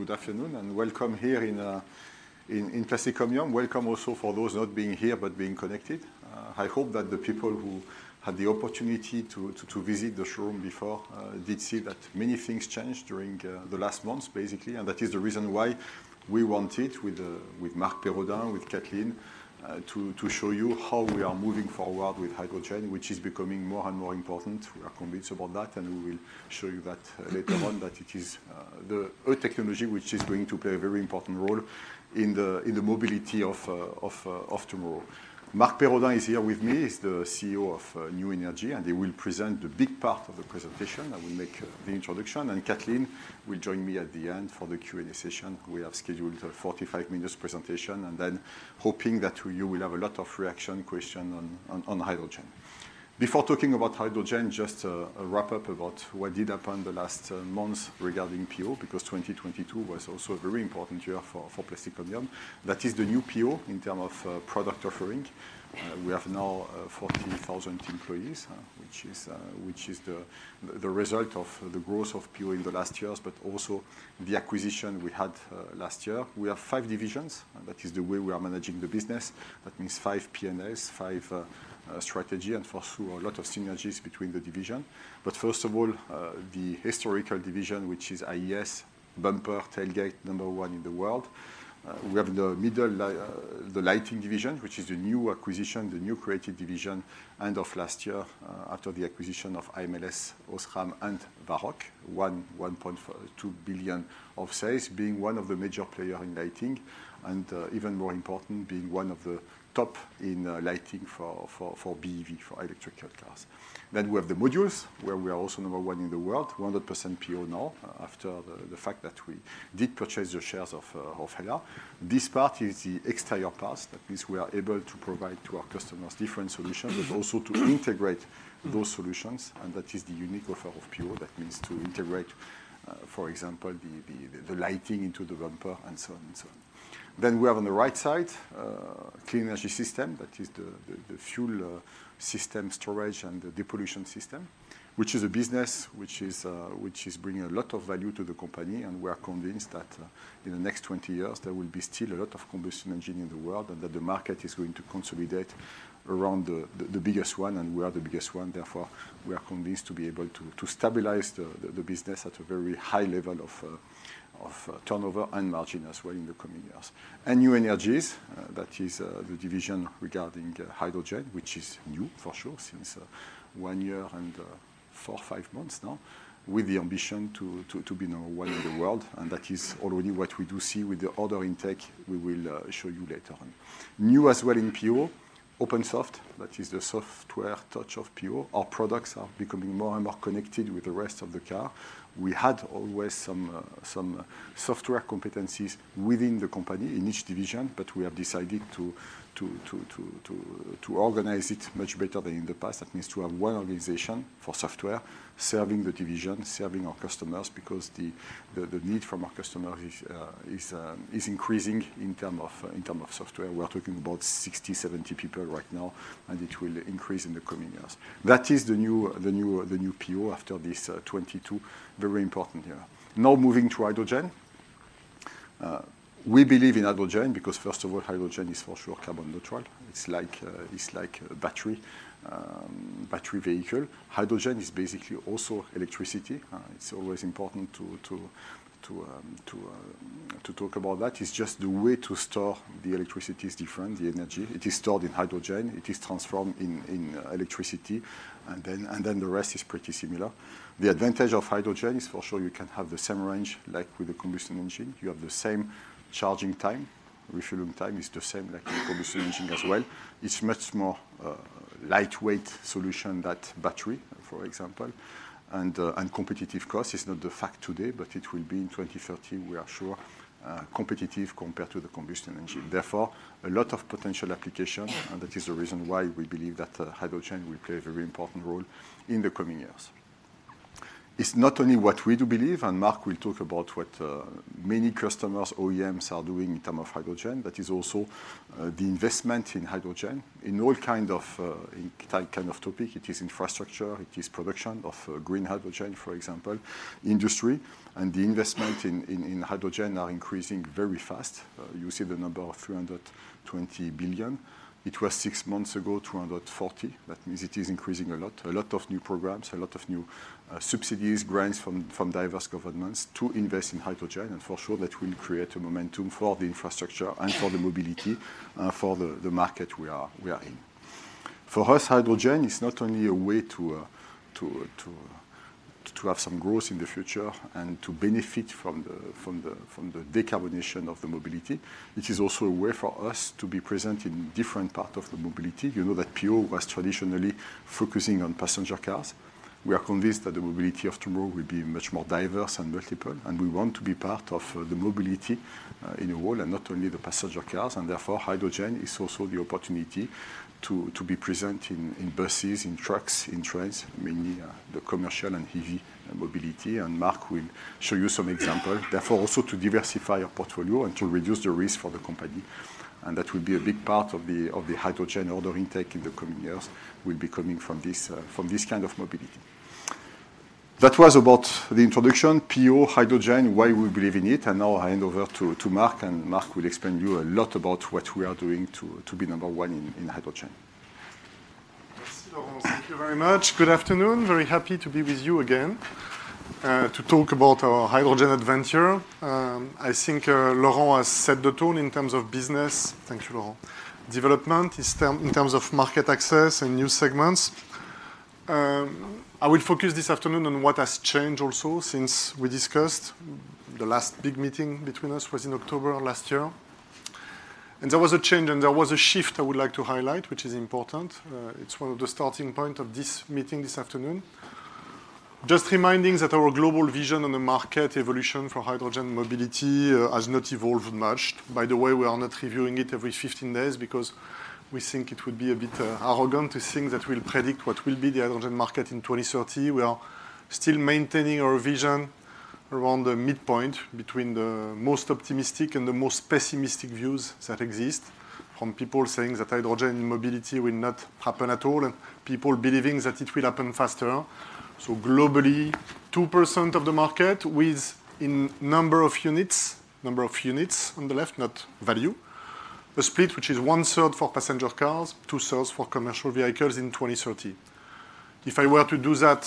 Good afternoon, and welcome here in OPmobility. Welcome also for those not being here, but being connected. I hope that the people who had the opportunity to visit the showroom before did see that many things changed during the last months, basically, that is the reason why we wanted with Marc Perraudin, with Kathleen, to show you how we are moving forward with hydrogen, which is becoming more and more important. We are convinced about that, we will show you that later on, that it is a technology which is going to play a very important role in the mobility of tomorrow. Marc Perraudin is here with me. He's the CEO of New Energies, he will present the big part of the presentation. I will make the introduction. Kathleen will join me at the end for the Q&A session. We have scheduled a 45 minutes presentation, then hoping that you will have a lot of reaction, question on hydrogen. Before talking about hydrogen, just a wrap up about what did happen the last months regarding PO, because 2022 was also a very important year for Plastic Omnium. That is the new PO in term of product offering. We have now 40,000 employees, which is the result of the growth of PO in the last years, but also the acquisition we had last year. We have five divisions, that is the way we are managing the business. That means five P&Ls, five strategy, and for sure a lot of synergies between the division. First of all, the historical division, which is IES, bumper, tailgate, number one in the world. We have the lighting division, which is a new acquisition, the new created division end of last year, after the acquisition of AMLS, ams OSRAM, and Varroc. 1.2 billion of sales, being one of the major player in lighting, and even more important, being one of the top in lighting for BEV, for electric cars. We have the modules, where we are also number one in the world, 100% PO now, after the fact that we did purchase the shares of HELLA. This part is the exterior part. That means we are able to provide to our customers different solutions, also to integrate those solutions. That is the unique offer of PO. That means to integrate, for example, the lighting into the bumper and so on and so on. We have on the right side, Clean Energy Systems. That is the fuel system storage and the depollution system, which is bringing a lot of value to the company. We are convinced that in the next 20 years, there will be still a lot of combustion engine in the world. The market is going to consolidate around the biggest one. We are the biggest one. Therefore, we are convinced to be able to stabilize the business at a very high level of turnover and margin as well in the coming years. New Energies, that is the division regarding hydrogen, which is new for sure since one year and four, five months now, with the ambition to be number one in the world. That is already what we do see with the order intake we will show you later on. New as well in PO, OP'nSoft. That is the software touch of PO. Our products are becoming more and more connected with the rest of the car. We had always some software competencies within the company in each division. We have decided to organize it much better than in the past. That means to have one organization for software serving the division, serving our customers, because the need from our customers is increasing in term of software. We are talking about 60-70 people right now, and it will increase in the coming years. That is the new PO after this 22. Very important year. Now moving to hydrogen. We believe in hydrogen because first of all, hydrogen is for sure carbon neutral. It's like a battery vehicle. Hydrogen is basically also electricity. It's always important to talk about that. It's just the way to store the electricity is different, the energy. It is stored in hydrogen. It is transformed in electricity, and then the rest is pretty similar. The advantage of hydrogen is for sure you can have the same range like with a combustion engine. You have the same charging time. Refueling time is the same like a combustion engine as well. It's much more lightweight solution that battery, for example. Competitive cost is not the fact today, but it will be in 2030, we are sure, competitive compared to the combustion engine. Therefore, a lot of potential application. That is the reason why we believe that hydrogen will play a very important role in the coming years. It's not only what we do believe. Marc will talk about what many customers, OEMs are doing in term of hydrogen. That is also the investment in hydrogen in all kind of in kind of topic. It is infrastructure. It is production of green hydrogen, for example. Industry and the investment in hydrogen are increasing very fast. You see the number of 320 billion. It was six months ago, 240 billion. That means it is increasing a lot. A lot of new programs, a lot of new subsidies, grants from diverse governments to invest in hydrogen, and for sure that will create a momentum for the infrastructure and for the mobility, for the market we are in. For us, hydrogen is not only a way to have some growth in the future and to benefit from the decarbonization of the mobility. It is also a way for us to be present in different part of the mobility. You know that PO was traditionally focusing on passenger cars. We are convinced that the mobility of tomorrow will be much more diverse and multiple, we want to be part of the mobility in the world and not only the passenger cars, therefore, hydrogen is also the opportunity to be present in buses, in trucks, in trains, mainly, the commercial and heavy mobility, and Marc will show you some example. Also to diversify our portfolio and to reduce the risk for the company. That will be a big part of the hydrogen order intake in the coming years will be coming from this kind of mobility. That was about the introduction, PO, hydrogen, why we believe in it, and now I hand over to Marc, and Marc will explain you a lot about what we are doing to be number one in hydrogen. Thank you very much. Good afternoon. Very happy to be with you again, to talk about our hydrogen adventure. I think Laurent has set the tone in terms of business, thank you, Laurent, development, in terms of market access and new segments. I will focus this afternoon on what has changed also since we discussed. The last big meeting between us was in October of last year. There was a change, and there was a shift I would like to highlight, which is important. It's one of the starting point of this meeting this afternoon. Just reminding that our global vision on the market evolution for hydrogen mobility has not evolved much. By the way, we are not reviewing it every 15 days because we think it would be a bit arrogant to think that we'll predict what will be the hydrogen market in 2030. We are still maintaining our vision around the midpoint between the most optimistic and the most pessimistic views that exist, from people saying that hydrogen mobility will not happen at all and people believing that it will happen faster. Globally, 2% of the market with in number of units, number of units on the left, not value. The split, which is 1/3 for passenger cars, 2/3 for commercial vehicles in 2030. If I were to do that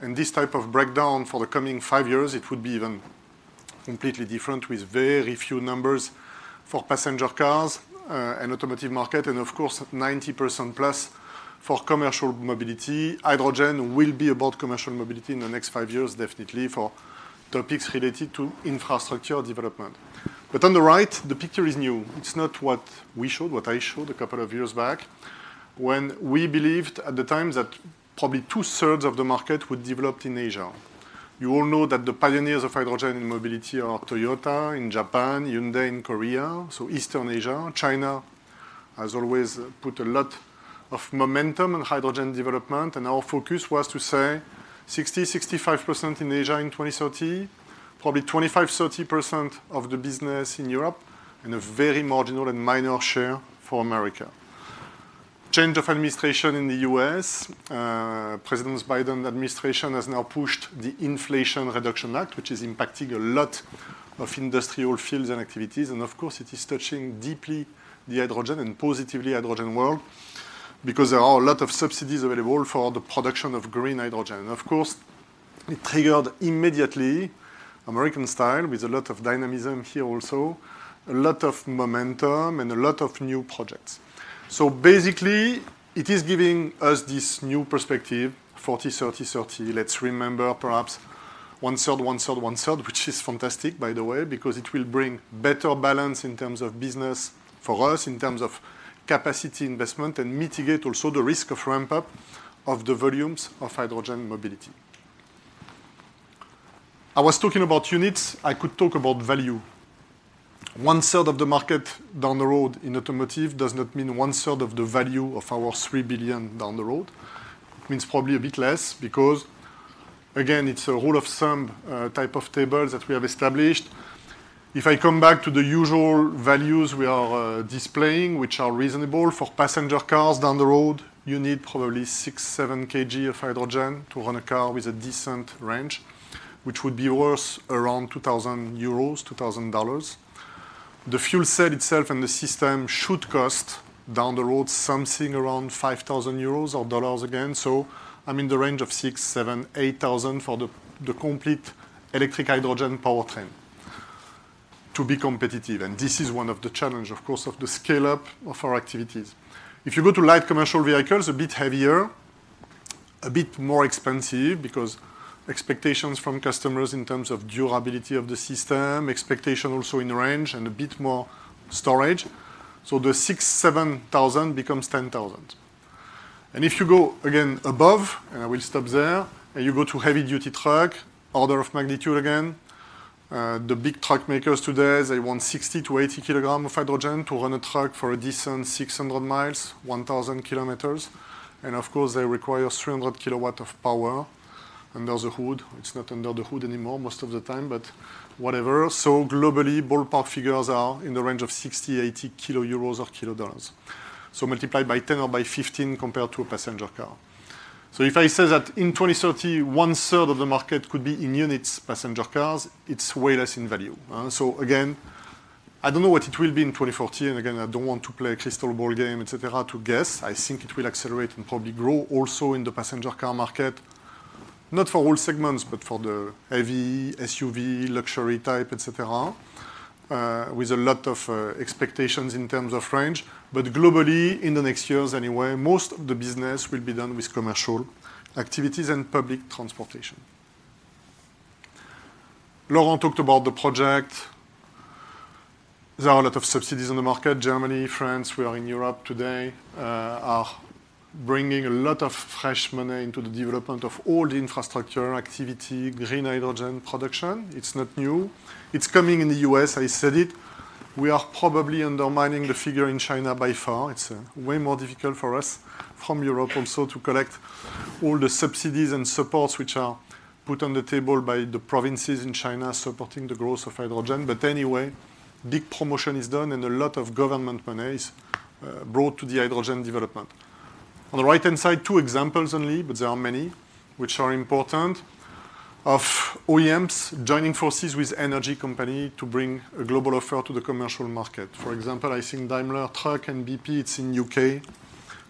in this type of breakdown for the coming five years, it would be even completely different with very few numbers for passenger cars and automotive market, and of course, 90%+ for commercial mobility. Hydrogen will be about commercial mobility in the next five years, definitely for topics related to infrastructure development. On the right, the picture is new. It's not what we showed, what I showed a couple of years back when we believed at the time that probably 2/3 of the market would develop in Asia. You all know that the pioneers of hydrogen mobility are Toyota in Japan, Hyundai in Korea, so Eastern Asia. China has always put a lot of momentum on hydrogen development, and our focus was to say 60%-65% in Asia in 2030, probably 25%-30% of the business in Europe, and a very marginal and minor share for America. Change of administration in the U.S., President Biden administration has now pushed the Inflation Reduction Act, which is impacting a lot of industrial fields and activities, of course, it is touching deeply the hydrogen and positively hydrogen world because there are a lot of subsidies available for the production of green hydrogen. Of course, it triggered immediately, American style, with a lot of dynamism here also, a lot of momentum, and a lot of new projects. Basically, it is giving us this new perspective, 40/30/30. Let's remember perhaps 1/3, 1/3, 1/3, which is fantastic by the way, because it will bring better balance in terms of business for us, in terms of capacity investment, and mitigate also the risk of ramp up of the volumes of hydrogen mobility. I was talking about units. I could talk about value. One-third of the market down the road in automotive does not mean 1/3 of the value of our 3 billion down the road. It means probably a bit less because, again, it's a rule of thumb type of table that we have established. If I come back to the usual values we are displaying, which are reasonable for passenger cars down the road, you need probably 6-7 kg of hydrogen to run a car with a decent range, which would be worth around 2,000 euros, $2,000. The fuel cell itself and the system should cost down the road something around 5,000 euros or $5,000 again. I'm in the range of 6,000, 7,000, 8,000 for the complete electric hydrogen powertrain to be competitive. This is one of the challenge, of course, of the scale-up of our activities. If you go to light commercial vehicles, a bit heavier, a bit more expensive because expectations from customers in terms of durability of the system, expectation also in range and a bit more storage. The 6,000-7,000 becomes 10,000. If you go again above, and I will stop there, and you go to heavy-duty truck, order of magnitude again, the big truck makers today, they want 60 kg-80 kg of hydrogen to run a truck for a distance 600 miles, 1,000 km. Of course, they require 300 kW of power under the hood. It's not under the hood anymore most of the time, but whatever. Globally, ballpark figures are in the range of 60, 80 kilo euros or kilo dollars. Multiply by 10 or by 15 compared to a passenger car. If I say that in 2030, 1/3 of the market could be in units, passenger cars, it's way less in value. again, I don't know what it will be in 2040, and again, I don't want to play a crystal ball game, etc, to guess. I think it will accelerate and probably grow also in the passenger car market, not for all segments, but for the heavy SUV, luxury type, etc, with a lot of expectations in terms of range. Globally, in the next years anyway, most of the business will be done with commercial activities and public transportation. Laurent talked about the project. There are a lot of subsidies on the market. Germany, France, we are in Europe today, are bringing a lot of fresh money into the development of all the infrastructure activity, green hydrogen production. It's not new. It's coming in the U.S. I said it. We are probably undermining the figure in China by far. It's way more difficult for us from Europe also to collect all the subsidies and supports which are put on the table by the provinces in China supporting the growth of hydrogen. Big promotion is done, and a lot of government money is brought to the hydrogen development. On the right-hand side, two examples only, but there are many which are important of OEMs joining forces with energy company to bring a global offer to the commercial market. For example, I think Daimler Truck and BP, it's in U.K.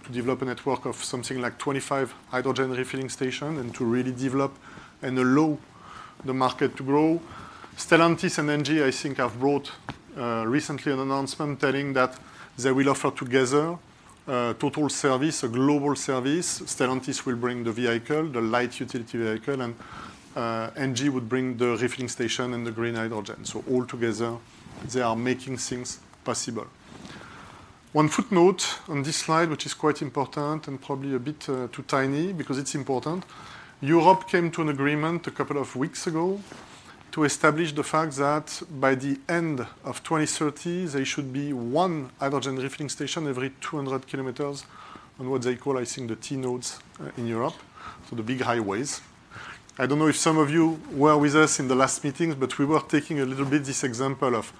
to develop a network of something like 25 hydrogen refilling station and to really develop and allow the market to grow. Stellantis and MG, I think have brought recently an announcement telling that they will offer together a total service, a global service. Stellantis will bring the vehicle, the light utility vehicle, and MG would bring the refilling station and the green hydrogen. All together, they are making things possible. One footnote on this slide, which is quite important and probably a bit too tiny because it's important. Europe came to an agreement a couple of weeks ago to establish the fact that by the end of 2030, there should be one hydrogen refilling station every 200 km on what they call, I think, the T-nodes in Europe, so the big highways. I don't know if some of you were with us in the last meeting, but we were taking a little bit this example of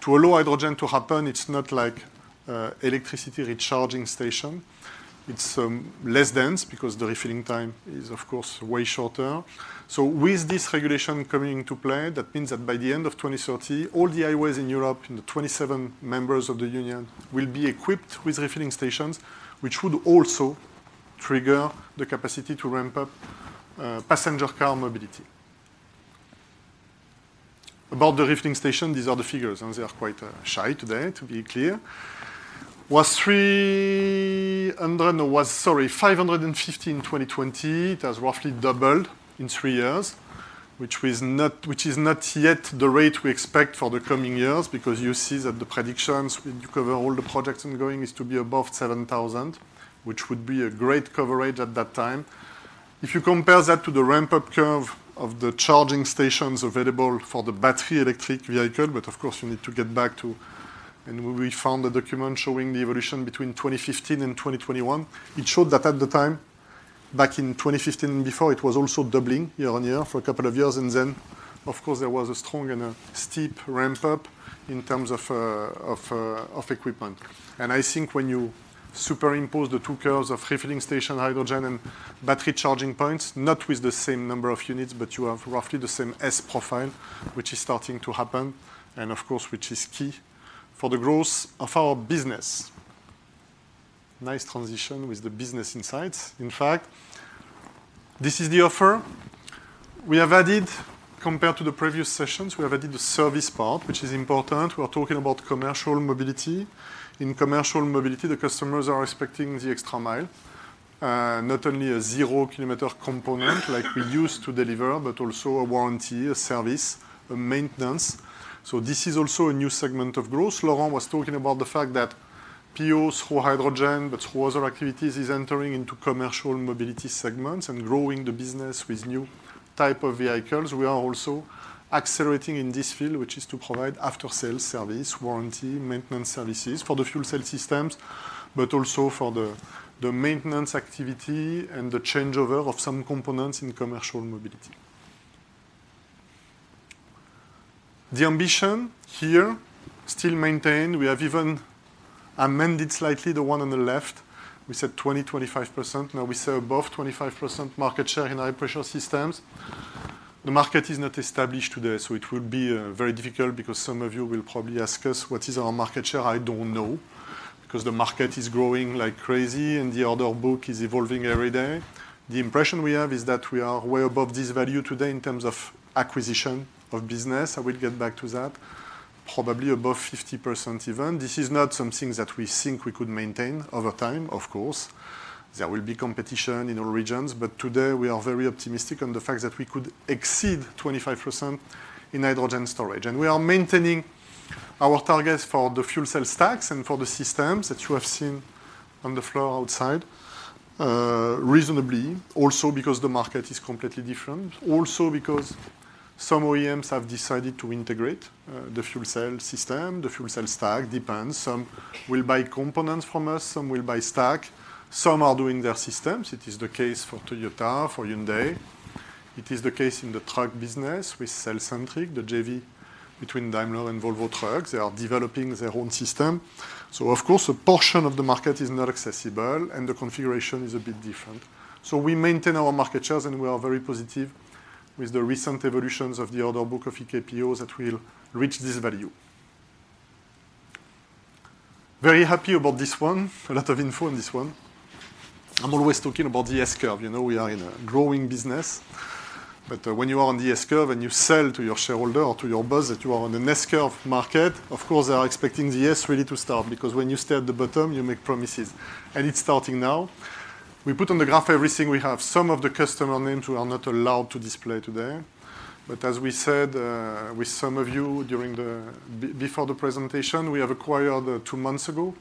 to allow hydrogen to happen, it's not like electricity recharging station. It's less dense because the refilling time is, of course, way shorter. With this regulation coming into play, that means that by the end of 2030, all the highways in Europe, in the 27 members of the Union, will be equipped with refilling stations, which would also trigger the capacity to ramp up passenger car mobility. About the refilling station, these are the figures, and they are quite shy today, to be clear. Was, sorry, 550 in 2020. It has roughly doubled in three years, which is not yet the rate we expect for the coming years because you see that the predictions when you cover all the projects ongoing is to be above 7,000, which would be a great coverage at that time. If you compare that to the ramp-up curve of the charging stations available for the battery electric vehicle. We found a document showing the evolution between 2015 and 2021. It showed that at the time, back in 2015 before, it was also doubling year-over-year for two years. Then, of course, there was a strong and a steep ramp-up in terms of equipment. I think when you superimpose the two curves of refilling station hydrogen and battery charging points, not with the same number of units, but you have roughly the same S-profile, which is starting to happen, and of course, which is key for the growth of our business. Nice transition with the business insights. This is the offer. We have added, compared to the previous sessions, we have added the service part, which is important. We are talking about commercial mobility. In commercial mobility, the customers are expecting the extra mile, not only a zero-kilometer component like we used to deliver, but also a warranty, a service, a maintenance. This is also a new segment of growth. Laurent was talking about the fact that PO through hydrogen, but through other activities, is entering into commercial mobility segments and growing the business with new type of vehicles. We are also accelerating in this field, which is to provide after-sale service, warranty, maintenance services for the fuel cell systems, but also for the maintenance activity and the changeover of some components in commercial mobility. The ambition here still maintained. We have even amended slightly the one on the left. We said 20%-25%. Now we say above 25% market share in high-pressure systems. The market is not established today, so it will be very difficult because some of you will probably ask us what is our market share. I don't know, because the market is growing like crazy and the order book is evolving every day. The impression we have is that we are way above this value today in terms of acquisition of business. I will get back to that. Probably above 50% even. This is not something that we think we could maintain over time, of course. There will be competition in all regions, but today we are very optimistic on the fact that we could exceed 25% in hydrogen storage. We are maintaining our targets for the fuel cell stacks and for the systems that you have seen on the floor outside, reasonably also because the market is completely different. Because some OEMs have decided to integrate, the fuel cell system, the fuel cell stack, depends. Some will buy components from us, some will buy stack, some are doing their systems. It is the case for Toyota, for Hyundai. It is the case in the truck business with cellcentric, the JV between Daimler and Volvo Trucks. They are developing their own system. Of course, a portion of the market is not accessible, and the configuration is a bit different. We maintain our market shares, and we are very positive with the recent evolutions of the order book of EKPO that we'll reach this value. Very happy about this one. A lot of info on this one. I'm always talking about the S-curve. You know, we are in a growing business. When you are on the S-curve and you sell to your shareholder or to your boss that you are on an S-curve market, of course, they are expecting the S really to start because when you stay at the bottom, you make promises. It's starting now. We put on the graph everything we have. Some of the customer names we are not allowed to display today. As we said, with some of you before the presentation, we have acquired two months ago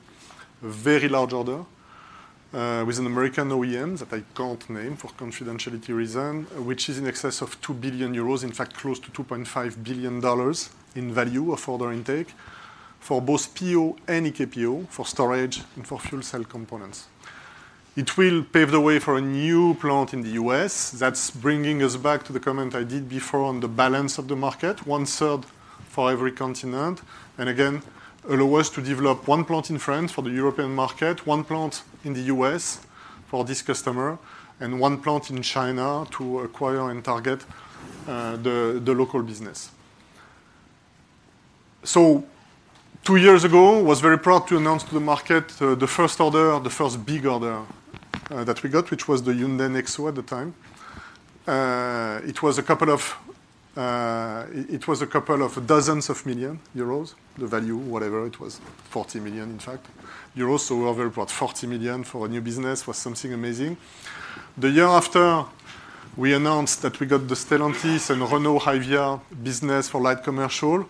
a very large order with an American OEM that I can't name for confidentiality reason, which is in excess of 2 billion euros, in fact close to $2.5 billion in value of order intake for both PO and EKPO for storage and for fuel cell components. It will pave the way for a new plant in the U.S.. That's bringing us back to the comment I did before on the balance of the market, 1/3 for every continent, and again, allow us to develop one plant in France for the European market, one plant in the U.S. for this customer, and one plant in China to acquire and target the local business. Two years ago, was very proud to announce to the market, the first order, the first big order, that we got, which was the Hyundai Nexo at the time. It was a couple of dozens of million EUR, the value, whatever it was, 40 million, in fact. Euros were over about 40 million for a new business was something amazing. The year after, we announced that we got the Stellantis and Renault HYVIA business for light commercial.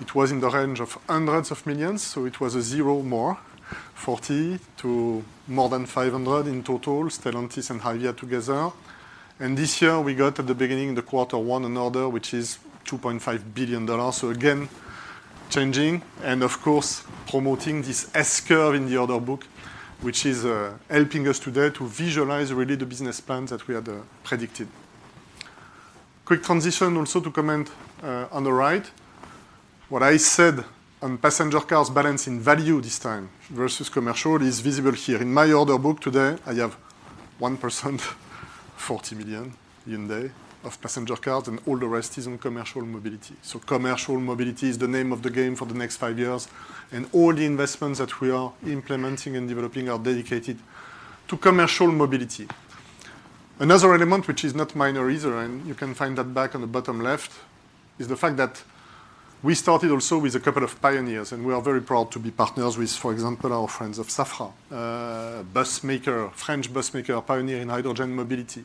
It was in the range of hundreds of millions EUR, so it was a zero more, 40 million to more than 500 million in total, Stellantis and HYVIA together. This year we got at the beginning, the quarter one, an order which is $2.5 billion. Again, changing and of course promoting this S-curve in the order book, which is helping us today to visualize really the business plan that we had predicted. Quick transition also to comment on the right. What I said on passenger cars balance in value this time versus commercial is visible here. In my order book today, I have 1%, 40 million Hyundai of passenger cars, and all the rest is in commercial mobility. Commercial mobility is the name of the game for the next five years, and all the investments that we are implementing and developing are dedicated to commercial mobility. Another element which is not minor either, and you can find that back on the bottom left, is the fact that we started also with a couple of pioneers, and we are very proud to be partners with, for example, our friends of Safra, a bus maker, French bus maker, a pioneer in hydrogen mobility.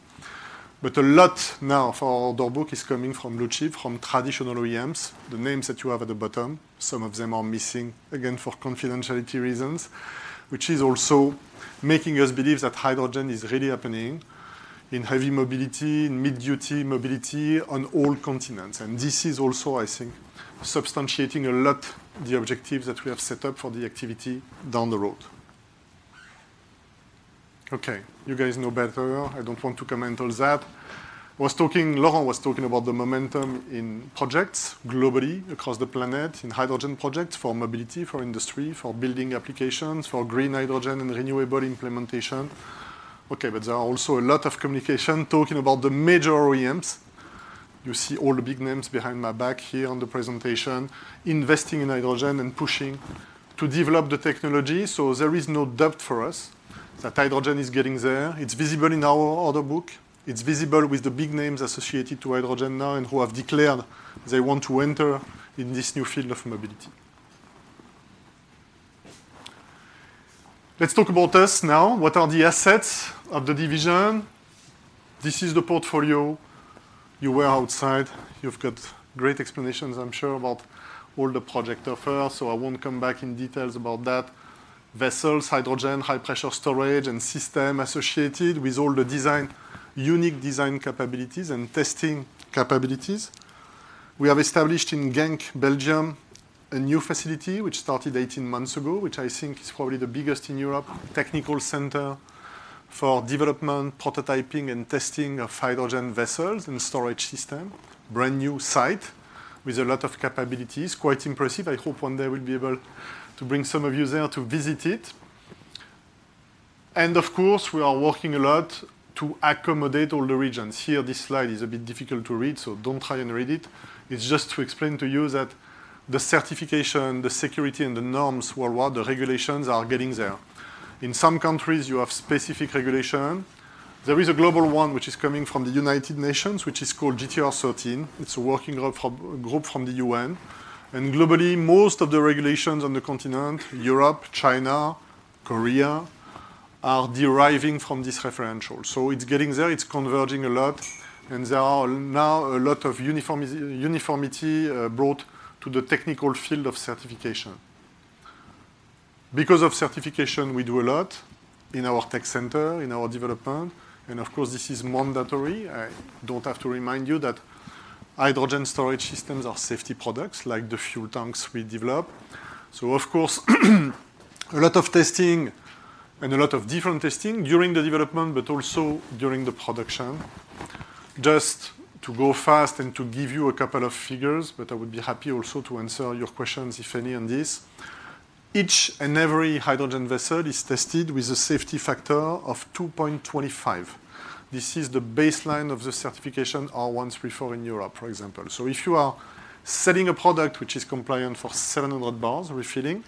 A lot now for order book is coming from Lucid, from traditional OEMs. The names that you have at the bottom, some of them are missing, again, for confidentiality reasons, which is also making us believe that hydrogen is really happening in heavy mobility, in mid-duty mobility on all continents. This is also, I think, substantiating a lot the objectives that we have set up for the activity down the road. Okay, you guys know better. I don't want to comment on that. Laurent was talking about the momentum in projects globally across the planet, in hydrogen projects for mobility, for industry, for building applications, for green hydrogen and renewable implementation. There are also a lot of communication talking about the major OEMs. You see all the big names behind my back here on the presentation, investing in hydrogen and pushing to develop the technology. There is no doubt for us that hydrogen is getting there. It's visible in our order book. It's visible with the big names associated to hydrogen now and who have declared they want to enter in this new field of mobility. Let's talk about us now. What are the assets of the division? This is the portfolio. You were outside. You've got great explanations, I'm sure, about all the project offers, I won't come back in details about that. Vessels, hydrogen, high pressure storage, and system associated with all the design, unique design capabilities and testing capabilities. We have established in Genk, Belgium, a new facility which started 18 months ago, which I think is probably the biggest in Europe, technical center for development, prototyping and testing of hydrogen vessels and storage system. Brand new site with a lot of capabilities. Quite impressive. I hope one day we'll be able to bring some of you there to visit it. Of course, we are working a lot to accommodate all the regions. Here, this slide is a bit difficult to read, so don't try and read it. It's just to explain to you that the certification, the security and the norms worldwide, the regulations are getting there. In some countries, you have specific regulation. There is a global one which is coming from the United Nations, which is called GTR13. It's a working group from the UN. Globally, most of the regulations on the continent, Europe, China, Korea, are deriving from this referential. It's getting there, it's converging a lot, and there are now a lot of uniformity brought to the technical field of certification. Because of certification, we do a lot in our tech center, in our development. Of course, this is mandatory. I don't have to remind you that hydrogen storage systems are safety products like the fuel tanks we develop. Of course a lot of testing and a lot of different testing during the development, but also during the production. Just to go fast and to give you a couple of figures, but I would be happy also to answer your questions, if any, on this. Each and every hydrogen vessel is tested with a safety factor of 2.25. This is the baseline of the certification R1s we follow in Europe, for example. If you are selling a product which is compliant for 700 bars refilling,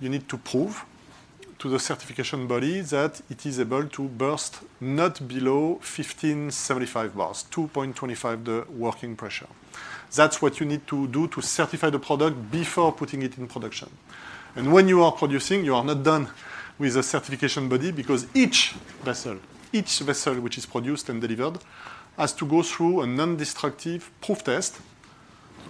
you need to prove to the certification body that it is able to burst not below 1,575 bars, 2.25 the working pressure. That's what you need to do to certify the product before putting it in production. When you are producing, you are not done with the certification body because each vessel which is produced and delivered has to go through a nondestructive proof test,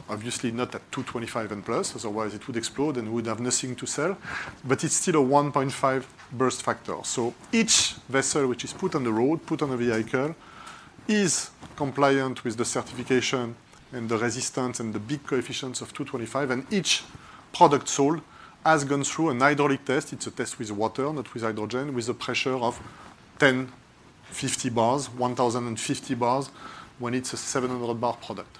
obviously not at 225 and plus, otherwise it would explode and we would have nothing to sell, but it's still a 1.5 burst factor. Each vessel which is put on the road, put on a vehicle, is compliant with the certification and the resistance and the big coefficients of 225, and each product sold has gone through a hydraulic test. It's a test with water, not with hydrogen, with a pressure of 1,050 bars, 1,050 bars when it's a 700 bar product.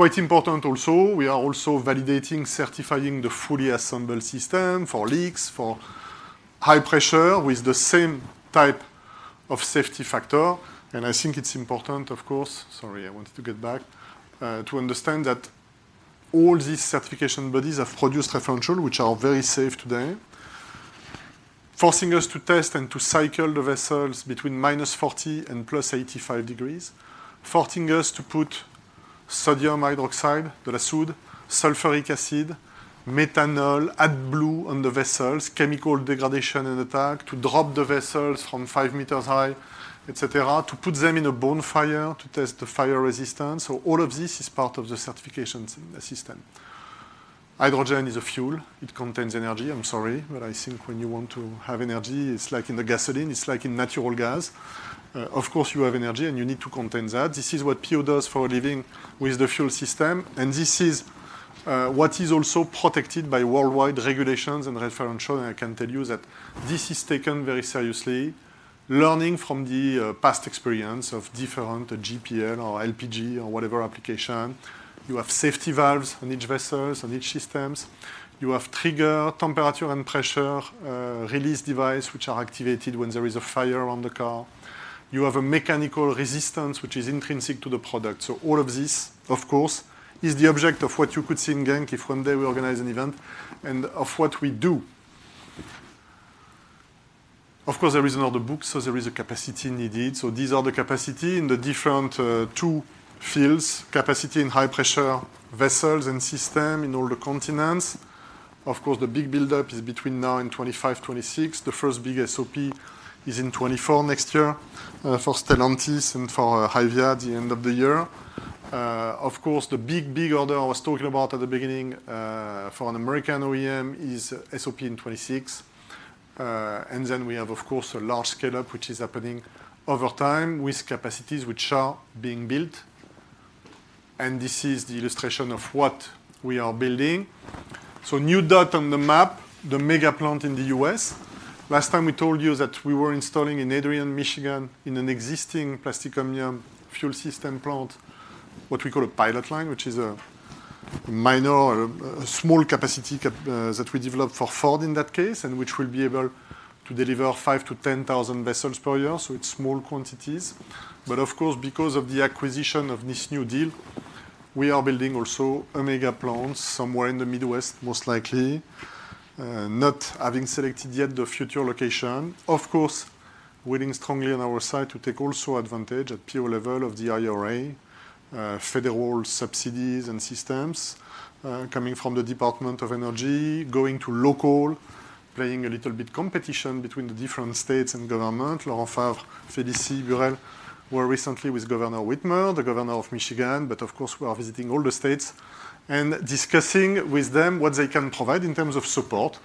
Important also, we are also validating, certifying the fully assembled system for leaks, for high pressure with the same type of safety factor. I think it's important, of course, sorry, I wanted to get back, to understand that all these certification bodies have produced referential, which are very safe today, forcing us to test and to cycle the vessels between -40 and +85 degrees, forcing us to put sodium hydroxide, the lye, sulfuric acid, methanol, AdBlue on the vessels, chemical degradation and attack, to drop the vessels from five meters high, etc, to put them in a bonfire to test the fire resistance. All of this is part of the certifications in the system. Hydrogen is a fuel. It contains energy. I'm sorry, but I think when you want to have energy, it's like in the gasoline, it's like in natural gas. Of course, you have energy, and you need to contain that. This is what PO does for living with the fuel system, and this is what is also protected by worldwide regulations and referential. I can tell you that this is taken very seriously, learning from the past experience of different LPG or whatever application. You have safety valves on each vessels, on each systems. You have trigger temperature and pressure release device, which are activated when there is a fire on the car. You have a mechanical resistance, which is intrinsic to the product. All of this, of course, is the object of what you could see in Genk if one day we organize an event and of what we do. There is another book, so there is a capacity needed. These are the capacity in the different two fields, capacity in high pressure vessels and system in all the continents. The big buildup is between now and 2025-2026. The first big SOP is in 2024 next year, for Stellantis and for HYVIA at the end of the year. The big, big order I was talking about at the beginning, for an American OEM is SOP in 2026. Then we have, of course, a large scale-up, which is happening over time with capacities which are being built. This is the illustration of what we are building. New dot on the map, the mega plant in the U.S. Last time we told you that we were installing in Adrian, Michigan, in an existing Plastic Omnium fuel system plant, what we call a pilot line, which is a minor or a small capacity cap, that we developed for Ford in that case, and which will be able to deliver 5,000-10,000 vessels per year. It's small quantities. Of course, because of the acquisition of this new deal, we are building also a mega plant somewhere in the Midwest, most likely, not having selected yet the future location. Of course, winning strongly on our side to take also advantage at pure level of the IRA federal subsidies and systems, coming from the Department of Energy, going to local, playing a little bit competition between the different states and government. Laurent Favre, Félicie Burelle were recently with Governor Whitmer, the governor of Michigan. Of course, we are visiting all the states and discussing with them what they can provide in terms of support,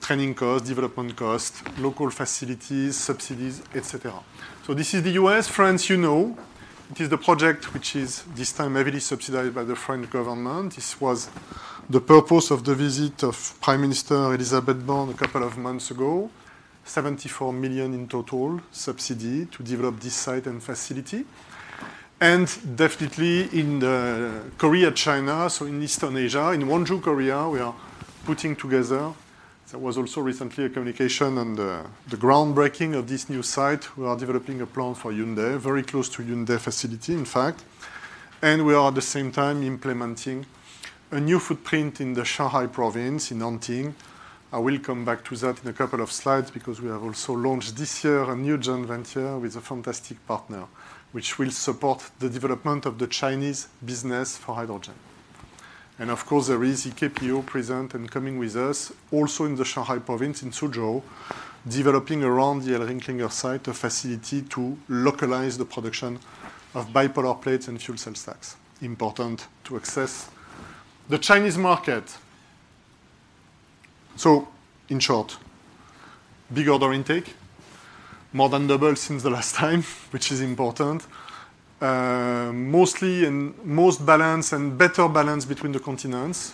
training costs, development costs, local facilities, subsidies, etc. This is the U.S., France you know. It is the project which is this time heavily subsidized by the French government. This was the purpose of the visit of Prime Minister Élisabeth Borne a couple of months ago, 74 million in total subsidy to develop this site and facility. Definitely in the Korea, China, so in Eastern Asia, in Wonju, Korea, we are putting together. There was also recently a communication and the groundbreaking of this new site. We are developing a plan for Hyundai, very close to Hyundai facility, in fact. We are at the same time implementing a new footprint in the Shanghai province in Nantong. I will come back to that in a couple of slides because we have also launched this year a new joint venture with a fantastic partner, which will support the development of the Chinese business for hydrogen. Of course, there is EKPO present and coming with us also in the Shanghai province in Suzhou, developing around the ElringKlinger site a facility to localize the production of bipolar plates and fuel cell stacks. Important to access the Chinese market. In short, big order intake, more than double since the last time, which is important. Mostly and most balanced and better balanced between the continents.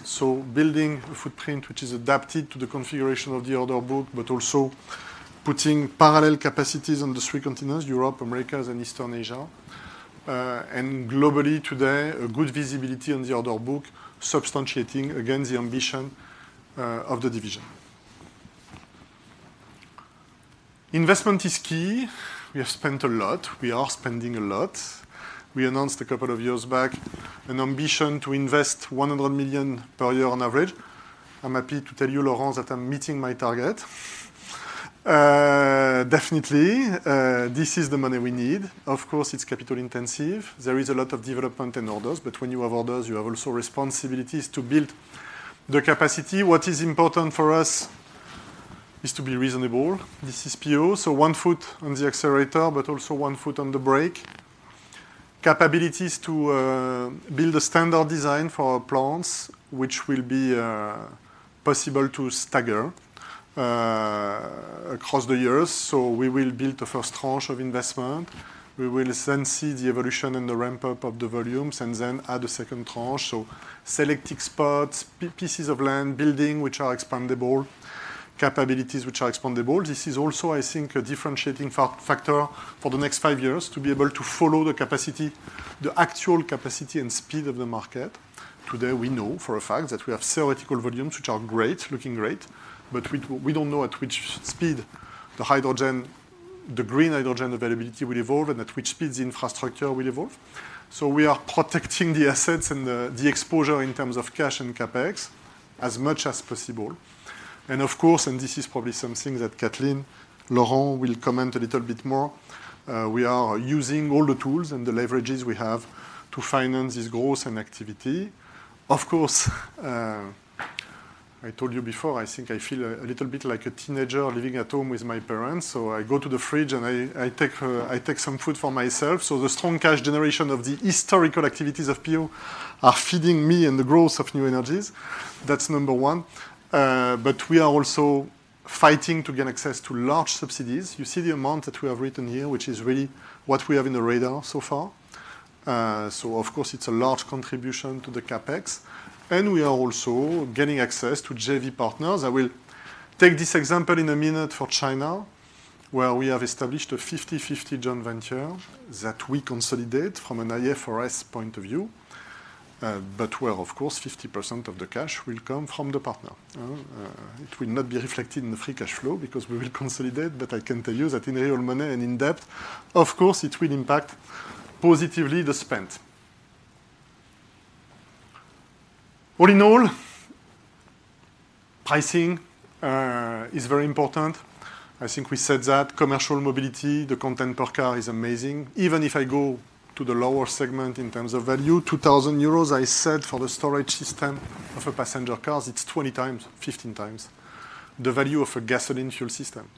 Building a footprint which is adapted to the configuration of the order book, but also putting parallel capacities on the 3 continents, Europe, Americas, and Eastern Asia. Globally today, a good visibility on the order book substantiating again the ambition of the division. Investment is key. We have spent a lot. We are spending a lot. We announced a couple of years back an ambition to invest 100 million per year on average. I'm happy to tell you, Laurent, that I'm meeting my target. Definitely, this is the money we need. Of course, it's capital intensive. There is a lot of development and orders, but when you have orders, you have also responsibilities to build the capacity. What is important for us is to be reasonable. This is PO, one foot on the accelerator, but also one foot on the brake. Capabilities to build a standard design for our plants, which will be possible to stagger across the years. We will build the first tranche of investment. We will see the evolution and the ramp-up of the volumes and then add a second tranche. Selective spots, pieces of land, building, which are expandable, capabilities which are expandable. This is also, I think, a differentiating factor for the next five years to be able to follow the capacity, the actual capacity and speed of the market. Today, we know for a fact that we have theoretical volumes, which are great, looking great, we don't know at which speed the hydrogen, the green hydrogen availability will evolve and at which speed the infrastructure will evolve. We are protecting the assets and the exposure in terms of cash and CapEx as much as possible. Of course, and this is probably something that Kathleen and Laurent will comment a little bit more, we are using all the tools and the leverages we have to finance this growth and activity. Of course, I told you before, I think I feel a little bit like a teenager living at home with my parents. I go to the fridge and I take some food for myself. The strong cash generation of the historical activities of PO are feeding me and the growth of New Energies. That's number one. We are also fighting to gain access to large subsidies. You see the amount that we have written here, which is really what we have in the radar so far. Of course, it's a large contribution to the CapEx. We are also getting access to JV partners. I will take this example in a minute for China, where we have established a 50/50 joint venture that we consolidate from an IFRS point of view, where of course, 50% of the cash will come from the partner. It will not be reflected in the free cash flow because we will consolidate. I can tell you that in real money and in depth, of course, it will impact positively the spend. All in all, pricing is very important. I think we said that commercial mobility, the content per car is amazing. Even if I go to the lower segment in terms of value, 2,000 euros, I said for the storage system of a passenger cars, it's 20 times, 15 times the value of a gasoline fuel system,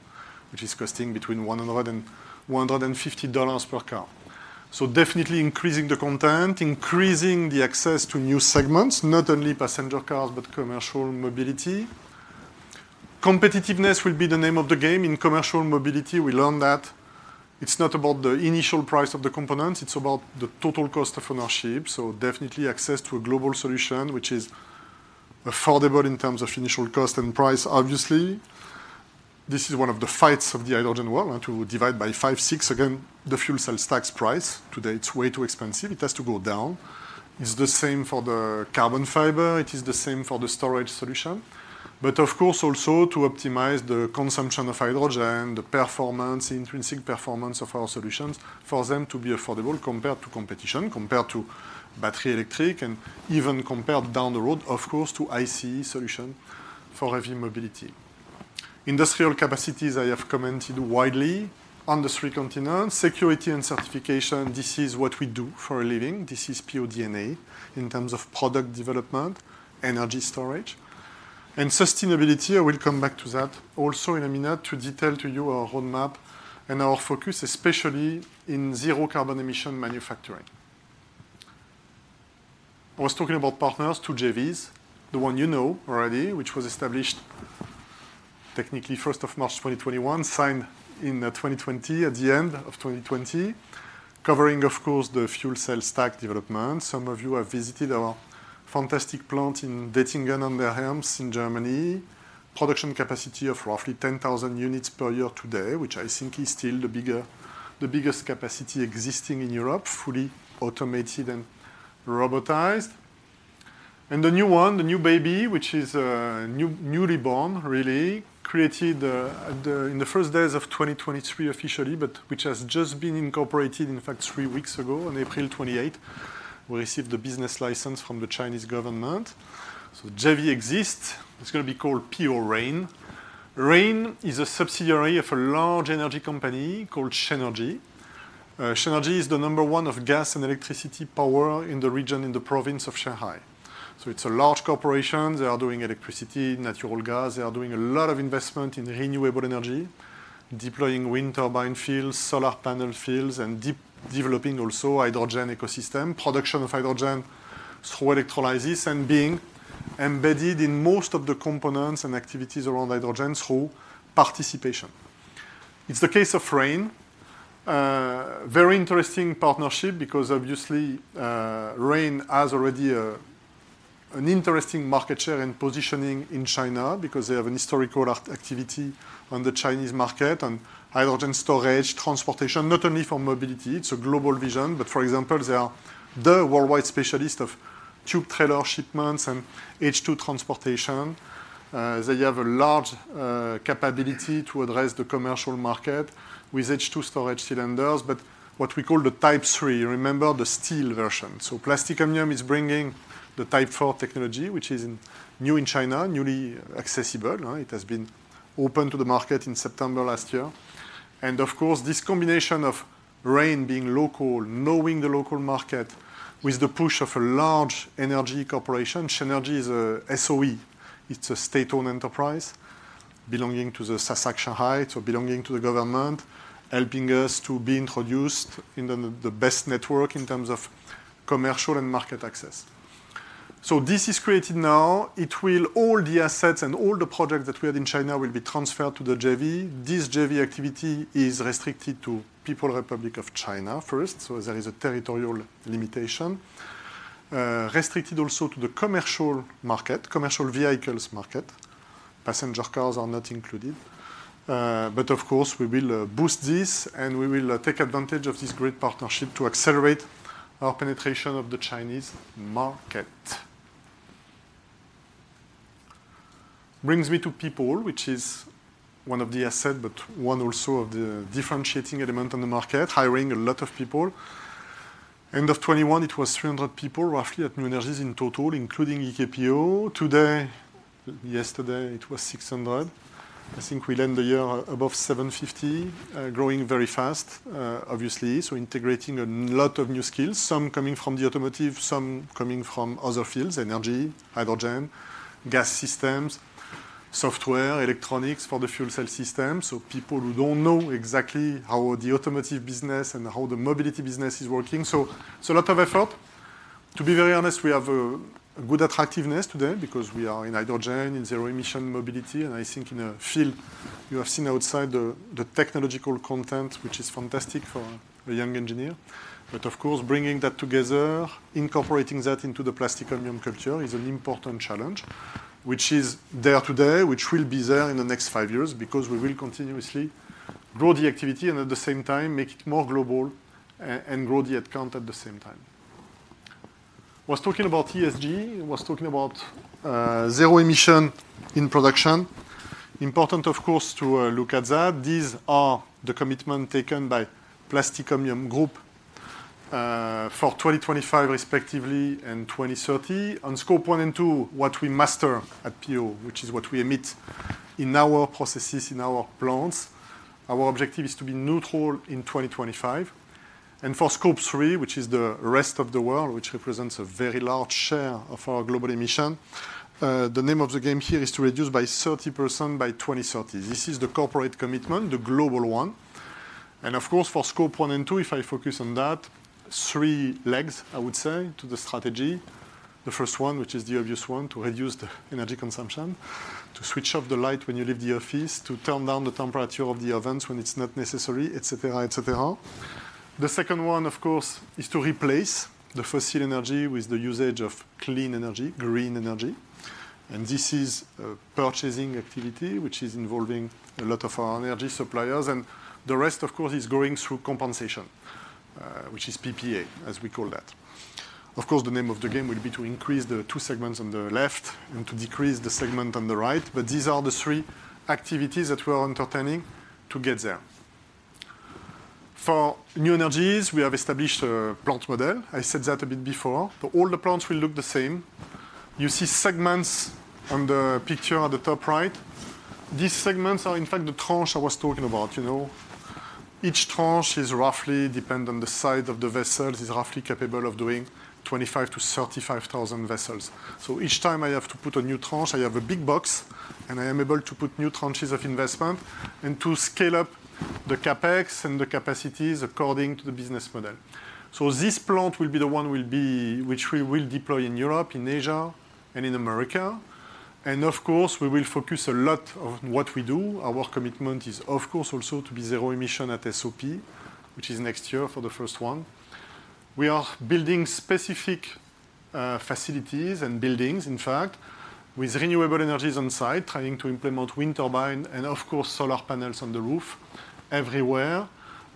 which is costing between $100 and $150 per car. Definitely increasing the content, increasing the access to new segments, not only passenger cars, but commercial mobility. Competitiveness will be the name of the game. In commercial mobility, we learn that it's not about the initial price of the components, it's about the total cost of ownership. Definitely access to a global solution, which is affordable in terms of initial cost and price, obviously. This is one of the fights of the hydrogen world, and to divide by 5, 6, again, the fuel cell stacks price. Today, it's way too expensive. It has to go down. It's the same for the carbon fiber, it is the same for the storage solution. Of course, also to optimize the consumption of hydrogen, the performance, intrinsic performance of our solutions for them to be affordable compared to competition, compared to battery electric, and even compared down the road, of course, to ICE solution for heavy mobility. Industrial capacities, I have commented widely on the three continents. Security and certification, this is what we do for a living. This is pure D&A in terms of product development, energy storage. Sustainability, I will come back to that also in a minute to detail to you our roadmap and our focus, especially in zero carbon emission manufacturing. I was talking about partners, two JVs, the one you know already, which was established technically March 1st, 2021, signed in 2020, at the end of 2020, covering, of course, the fuel cell stack development. Some of you have visited our fantastic plant in Dettingen an der Erms in Germany. Production capacity of roughly 10,000 units per year today, which I think is still the biggest capacity existing in Europe, fully automated and robotized. The new one, the newly born, really, created in the first days of 2023 officially, but which has just been incorporated, in fact, three weeks ago on April 28th. We received the business license from the Chinese government. JV exists. It's gonna be called PO-Rein. Rein is a subsidiary of a large energy company called Shenergy. Shenergy is the number one of gas and electricity power in the region, in the province of Shanghai. It's a large corporation. They are doing electricity, natural gas. They are doing a lot of investment in renewable energy, deploying wind turbine fields, solar panel fields, and de-developing also hydrogen ecosystem, production of hydrogen through electrolysis, and being embedded in most of the components and activities around hydrogen through participation. It's the case of Rein. Very interesting partnership because obviously, Rein has already an interesting market share and positioning in China because they have an historical activity on the Chinese market on hydrogen storage, transportation, not only for mobility, it's a global vision, but for example, they are the worldwide specialist of tube trailer shipments and H2 transportation. They have a large capability to address the commercial market with H2 storage cylinders. What we call the Type 3, remember the steel version. Plastic Omnium is bringing the Type 4 technology, which is new in China, newly accessible. It has been open to the market in September last year. Of course, this combination of Rein being local, knowing the local market with the push of a large energy corporation. Shenergy is a SOE, it's a state-owned enterprise. Belonging to the SASAC Shanghai, so belonging to the government, helping us to be introduced in the best network in terms of commercial and market access. This is created now. All the assets and all the projects that we have in China will be transferred to the JV. This JV activity is restricted to People's Republic of China first. There is a territorial limitation. Restricted also to the commercial market, commercial vehicles market. Passenger cars are not included. Of course, we will boost this and we will take advantage of this great partnership to accelerate our penetration of the Chinese market. Brings me to people, which is one of the asset, but one also of the differentiating element on the market, hiring a lot of people. End of 21, it was 300 people roughly at New Energies in total, including EKPO. Yesterday it was 600. I think we'll end the year above 750, growing very fast, obviously. Integrating a lot of new skills, some coming from the automotive, some coming from other fields, energy, hydrogen, gas systems, software, electronics for the fuel cell system. People who don't know exactly how the automotive business and how the mobility business is working. A lot of effort. To be very honest, we have a good attractiveness today because we are in hydrogen, in zero emission mobility, and I think in a field you have seen outside the technological content, which is fantastic for a young engineer. Of course, bringing that together, incorporating that into the Plastic Omnium culture is an important challenge, which is there today, which will be there in the next five years because we will continuously grow the activity and at the same time make it more global and grow the headcount at the same time. I was talking about ESG. I was talking about zero emission in production. Important, of course, to look at that. These are the commitment taken by Plastic Omnium Group for 2025 respectively and 2030. On Scope 1 and 2, what we master at PO, which is what we emit in our processes, in our plants. Our objective is to be neutral in 2025. For Scope 3, which is the rest of the world, which represents a very large share of our global emission, the name of the game here is to reduce by 30% by 2030. This is the corporate commitment, the global one. Of course, for Scope 1 and 2, if I focus on that, 3 legs, I would say to the strategy. The first one, which is the obvious one, to reduce the energy consumption, to switch off the light when you leave the office, to turn down the temperature of the ovens when it's not necessary, etc. The second one, of course, is to replace the fossil energy with the usage of clean energy, green energy. This is a purchasing activity which is involving a lot of our energy suppliers. The rest, of course, is going through compensation, which is PPA, as we call that. Of course, the name of the game will be to increase the two segments on the left and to decrease the segment on the right. These are the three activities that we are entertaining to get there. For New Energies, we have established a plant model. I said that a bit before. All the plants will look the same. You see segments on the picture on the top right. These segments are, in fact, the tranche I was talking about. You know, each tranche is roughly depend on the size of the vessels, is roughly capable of doing 25,000-35,000 vessels. Each time I have to put a new tranche, I have a big box, and I am able to put new tranches of investment and to scale up the CapEx and the capacities according to the business model. This plant will be the one which we will deploy in Europe, in Asia, and in America. Of course, we will focus a lot on what we do. Our commitment is, of course, also to be zero emission at SOP, which is next year for the first one. We are building specific facilities and buildings, in fact, with renewable energies on site, trying to implement wind turbine and of course, solar panels on the roof everywhere.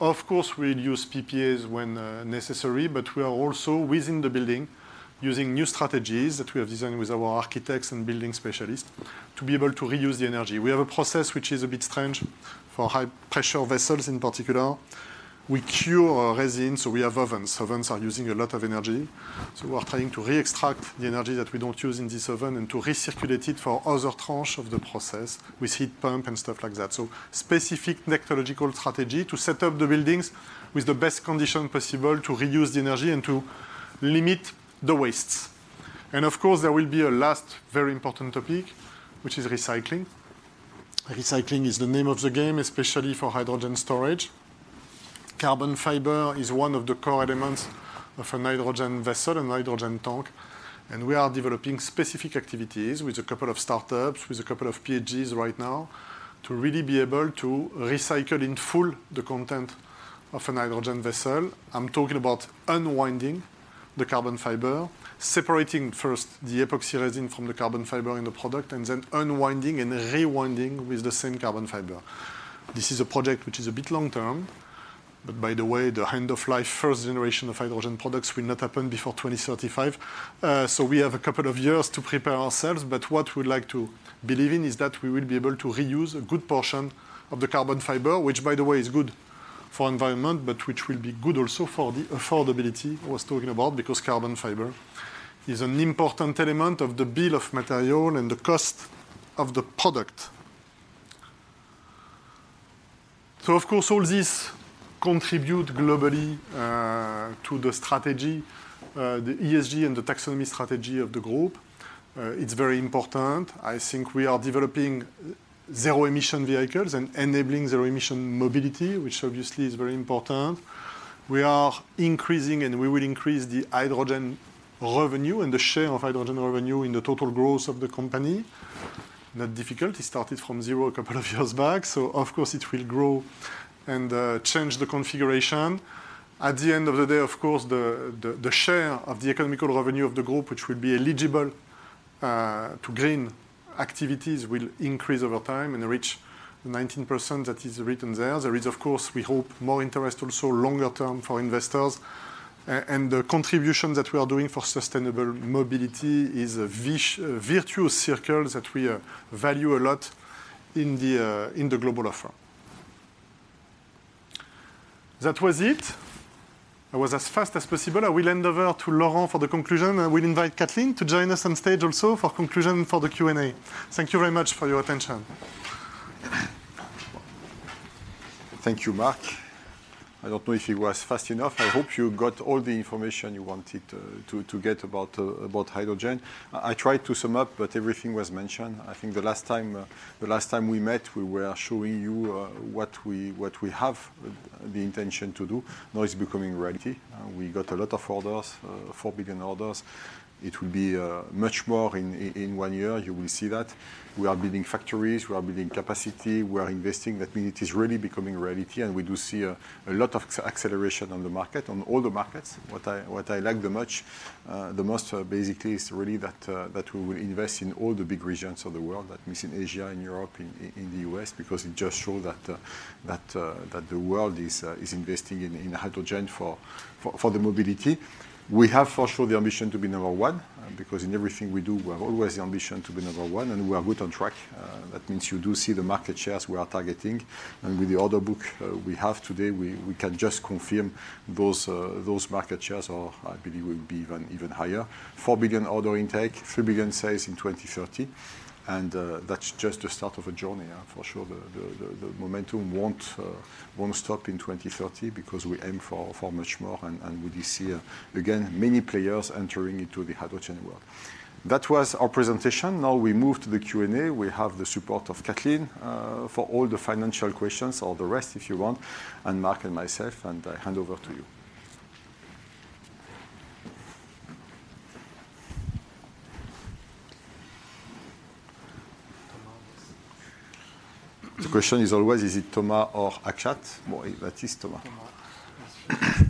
Of course, we'll use PPAs when necessary, but we are also within the building using new strategies that we have designed with our architects and building specialists to be able to reuse the energy. We have a process which is a bit strange for high pressure vessels in particular. We cure our resin, so we have ovens. Ovens are using a lot of energy. We are trying to re-extract the energy that we don't use in this oven and to recirculate it for other tranche of the process with heat pump and stuff like that. Specific technological strategy to set up the buildings with the best condition possible to reduce the energy and to limit the wastes. Of course, there will be a last very important topic, which is recycling. Recycling is the name of the game, especially for hydrogen storage. Carbon fiber is one of the core elements of a hydrogen vessel and hydrogen tank. We are developing specific activities with a couple of startups, with a couple of PhDs right now to really be able to recycle in full the content of a hydrogen vessel. I'm talking about unwinding the carbon fiber, separating first the epoxy resin from the carbon fiber in the product. Then unwinding and rewinding with the same carbon fiber. This is a project which is a bit long-term. By the way, the end of life first generation of hydrogen products will not happen before 2035. We have a couple of years to prepare ourselves, but what we'd like to believe in is that we will be able to reuse a good portion of the carbon fiber, which by the way, is good for environment, but which will be good also for the affordability I was talking about because carbon fiber is an important element of the bill of material and the cost of the product. Of course, all this contribute globally, to the strategy, the ESG and the taxonomy strategy of the group. It's very important. I think we are developing zero-emission vehicles and enabling zero-emission mobility, which obviously is very important. We are increasing, and we will increase the hydrogen revenue and the share of hydrogen revenue in the total growth of the company. Not difficult. It started from 0 a couple of years back so of course, it will grow and change the configuration. At the end of the day, of course, the, the share of the economical revenue of the group which will be eligible to green activities will increase over time and reach 19%. That is written there. There is of course, we hope, more interest also longer term for investors. The contribution that we are doing for sustainable mobility is a virtuous circle that we value a lot in the global offer. That was it. I was as fast as possible. I will hand over to Laurent for the conclusion, and we'll invite Kathleen to join us on stage also for conclusion for the Q&A. Thank you very much for your attention. Thank you, Marc. I don't know if it was fast enough. I hope you got all the information you wanted to get about hydrogen. I tried to sum up, but everything was mentioned. I think the last time we met, we were showing you what we have the intention to do. Now it's becoming reality. We got a lot of orders, 4 billion orders. It will be much more in one year. You will see that. We are building factories. We are building capacity. We are investing. That means it is really becoming reality, and we do see a lot of acceleration on the market, on all the markets. What I like the most basically is really that we will invest in all the big regions of the world. That means in Asia, in Europe, in the U.S., because it just shows that the world is investing in hydrogen for the mobility. We have for sure the ambition to be number one, because in everything we do, we have always the ambition to be number one, and we are good on track. That means you do see the market shares we are targeting. And with the order book we have today, we can just confirm those market shares are, I believe, will be even higher. 4 billion order intake, 3 billion sales in 2030, and that's just the start of a journey. For sure, the momentum won't stop in 2030 because we aim for much more and we do see again many players entering into the hydrogen world. That was our presentation. Now we move to the Q&A. We have the support of Kathleen for all the financial questions or the rest if you want, and Marc and myself. I hand over to you. Thomas. The question is always, is it Thomas or Akshat? Boy, that is Thomas. I have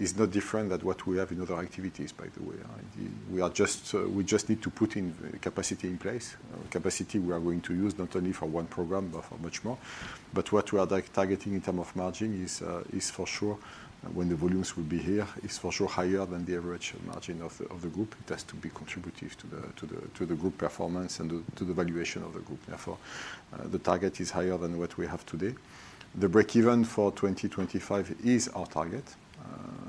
is not different than what we have in other activities, by the way. We are just, we just need to put in capacity in place. Capacity we are going to use not only for one program, but for much more. But what we are like targeting in term of margin is for sure when the volumes will be here, is for sure higher than the average margin of the group It has to be contributive to the group performance and to the valuation of the group. Therefore, the target is higher than what we have today. The break even for 2025 is our target,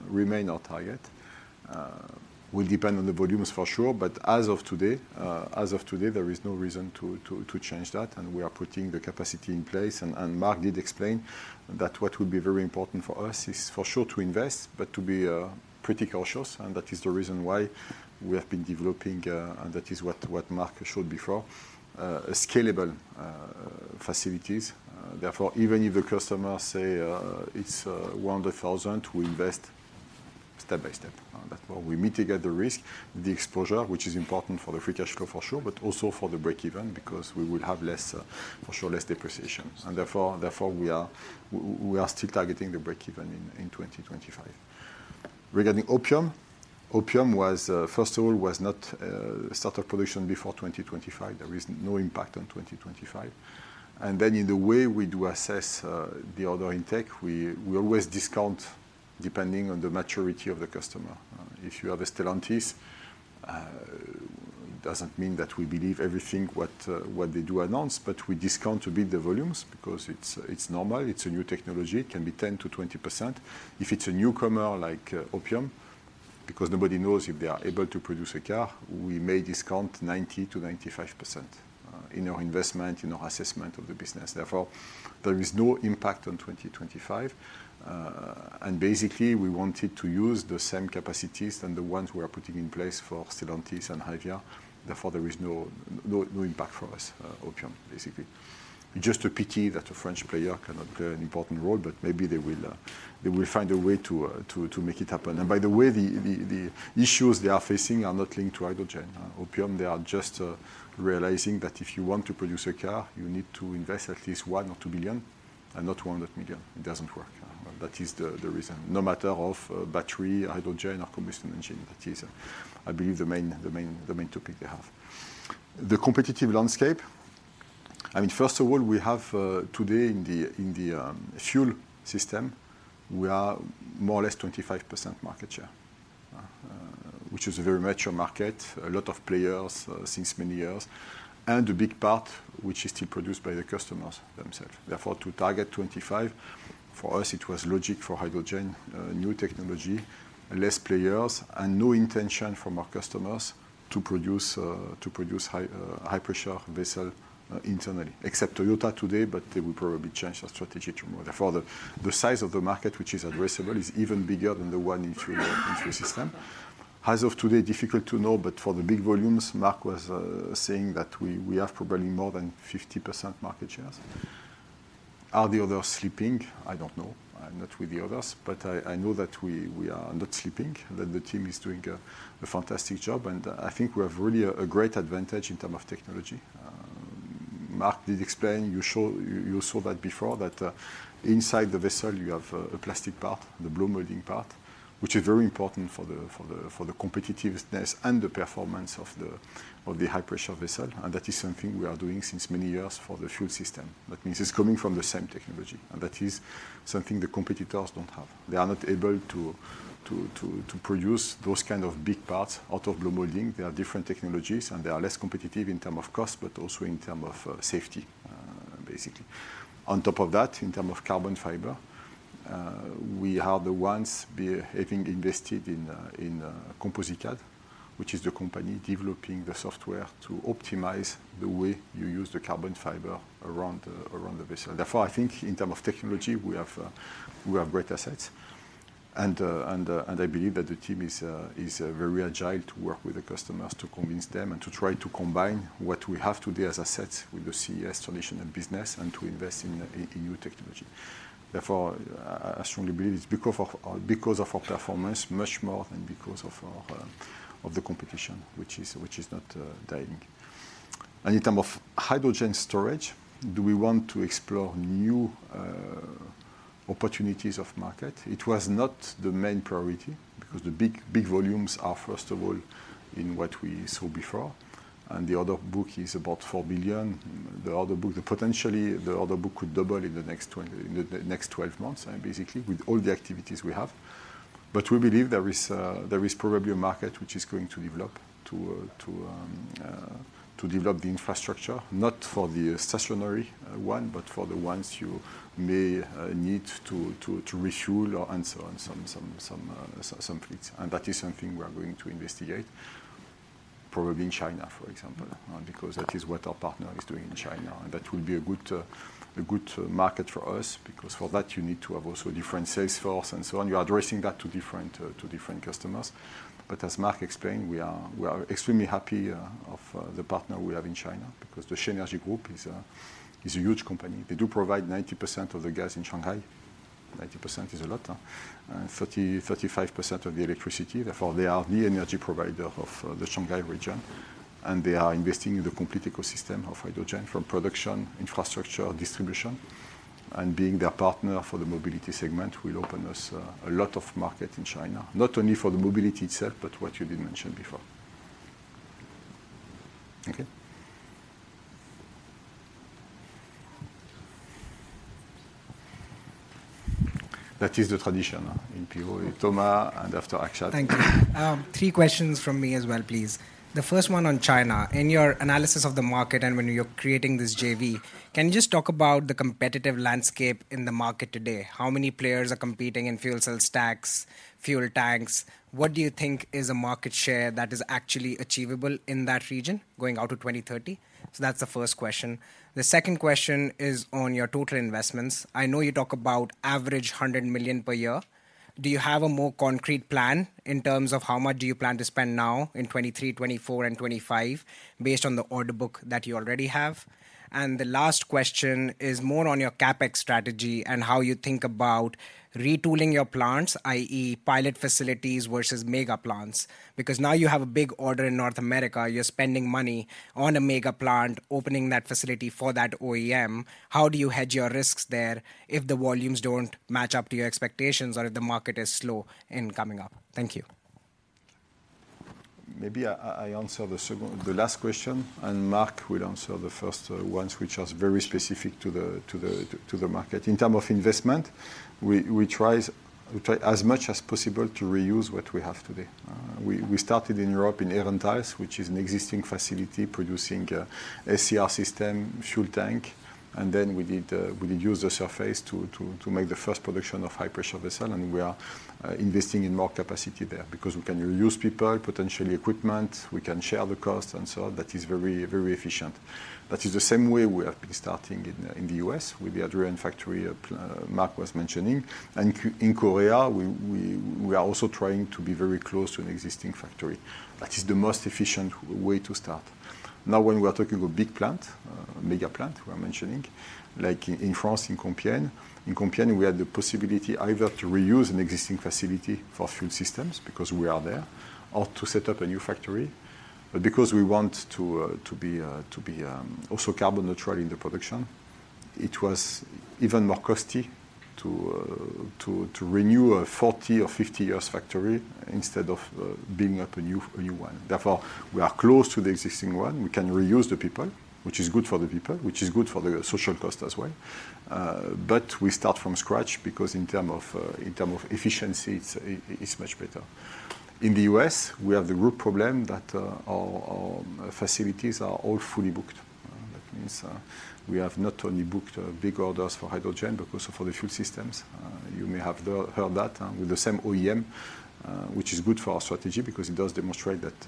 remain our target. Will depend on the volumes for sure, but as of today, as of today, there is no reason to change that. We are putting the capacity in place. Marc did explain that what will be very important for us is for sure to invest, but to be pretty cautious. That is the reason why we have been developing, and that is what Marc showed before, scalable facilities. Therefore, even if the customer say, it's 100,000, we invest step by step. That way we mitigate the risk, the exposure, which is important for the free cash flow for sure, but also for the break even because we will have less, for sure less depreciation. Therefore, we are still targeting the break even in 2025. Regarding Hopium was, first of all, was not start of production before 2025. There is no impact on 2025. Then in the way we do assess the order intake, we always discount depending on the maturity of the customer. If you are Stellantis, doesn't mean that we believe everything what they do announce, but we discount to build the volumes because it's normal. It's a new technology. It can be 10%-20%. If it's a newcomer like Hopium, because nobody knows if they are able to produce a car, we may discount 90%-95% in our investment, in our assessment of the business. There is no impact on 2025. Basically, we wanted to use the same capacities than the ones we are putting in place for Stellantis and HYVIA. There is no impact for us, Hopium, basically. Just a pity that a French player cannot play an important role, but maybe they will find a way to make it happen. By the way, the issues they are facing are not linked to hydrogen. Hopium, they are just realizing that if you want to produce a car, you need to invest at least 1 billion or 2 billion, and not 100 million. It doesn't work. That is the reason. No matter of battery, hydrogen or combustion engine. That is, I believe, the main topic they have. The competitive landscape. I mean, first of all, we have today in the fuel system, we are more or less 25% market share, which is a very mature market. A lot of players since many years, and a big part which is still produced by the customers themselves. Therefore, to target 25%, for us, it was logic for hydrogen, new technology, less players, and no intention from our customers to produce high pressure vessel internally. Except Toyota today, but they will probably change their strategy tomorrow. Therefore, the size of the market, which is addressable, is even bigger than the one in fuel system. As of today, difficult to know, but for the big volumes, Marc was saying that we have probably more than 50% market shares. Are the others sleeping? I don't know. I'm not with the others, but I know that we are not sleeping, that the team is doing a fantastic job. I think we have really a great advantage in term of technology. Marc did explain, you saw that before, that inside the vessel, you have a plastic part, the blow molding part, which is very important for the competitiveness and the performance of the high pressure vessel. That is something we are doing since many years for the fuel system. That means it's coming from the same technology, and that is something the competitors don't have. They are not able to produce those kind of big parts out of blow molding. There are different technologies, and they are less competitive in term of cost, but also in term of safety, basically. On top of that, in term of carbon fiber, we are the ones having invested in ComposiCad, which is the company developing the software to optimize the way you use the carbon fiber around the vessel. Therefore, I think in term of technology, we have great assets. I believe that the team is very agile to work with the customers to convince them and to try to combine what we have today as assets with the CES solution and business and to invest in new technology. Therefore, I strongly believe it's because of our performance much more than because of our of the competition, which is not dying. In term of hydrogen storage, do we want to explore new opportunities of market? It was not the main priority because the big volumes are first of all in what we saw before, and the order book is about 4 billion. The order book, potentially, the order book could double in the next 12 months, basically, with all the activities we have. We believe there is probably a market which is going to develop to develop the infrastructure, not for the stationary one, but for the ones you may need to refuel or and so on, some fleets. That is something we are going to investigate probably in China, for example, because that is what our partner is doing in China. That will be a good market for us because for that you need to have also a different sales force and so on. You are addressing that to different customers. As Marc explained, we are extremely happy of the partner we have in China because the Shenergy Group is a huge company. They do provide 90% of the gas in Shanghai. 90% is a lot. 30%-35% of the electricity. Therefore, they are the energy provider of the Shanghai region, and they are investing in the complete ecosystem of hydrogen from production, infrastructure, distribution. Being their partner for the mobility segment will open us a lot of market in China, not only for the mobility itself, but what you did mention before. Okay. That is the tradition in people. Thomas, and after Akshat. Thank you. Three questions from me as well, please. The first one on China. In your analysis of the market and when you're creating this JV, can you just talk about the competitive landscape in the market today? How many players are competing in fuel cell stacks, fuel tanks? What do you think is a market share that is actually achievable in that region going out to 2030? That's the first question. The second question is on your total investments. I know you talk about average 100 million per year. Do you have a more concrete plan in terms of how much do you plan to spend now in 2023, 2024, and 2025 based on the order book that you already have? The last question is more on your CapEx strategy and how you think about retooling your plants, i.e., pilot facilities versus mega plants. Now you have a big order in North America. You're spending money on a mega plant, opening that facility for that OEM. How do you hedge your risks there if the volumes don't match up to your expectations or if the market is slow in coming up? Thank you. Maybe I answer the second, the last question, and Marc will answer the first ones which are very specific to the market. In terms of investment, we try as much as possible to reuse what we have today. We started in Europe in Evanthes, which is an existing facility producing SCR system, fuel tank. We did use the surface to make the first production of high pressure vessel, and we are investing in more capacity there because we can reuse people, potentially equipment, we can share the cost. That is very, very efficient. That is the same way we have been starting in the U.S. with the Adrian factory Marc was mentioning. In Korea, we are also trying to be very close to an existing factory. That is the most efficient way to start. Now, when we are talking of a big plant, mega plant we are mentioning, like in France, in Compiègne. In Compiègne, we had the possibility either to reuse an existing facility for fuel systems because we are there, or to set up a new factory. Because we want to be also carbon neutral in the production, it was even more costly to renew a 40 or 50 years factory instead of building up a new one. Therefore, we are close to the existing one. We can reuse the people, which is good for the people, which is good for the social cost as well. We start from scratch because in term of efficiency, it's much better. In the U.S., we have the group problem that our facilities are all fully booked. That means we have not only booked big orders for hydrogen, but also for the fuel systems. You may have heard that with the same OEM, which is good for our strategy because it does demonstrate that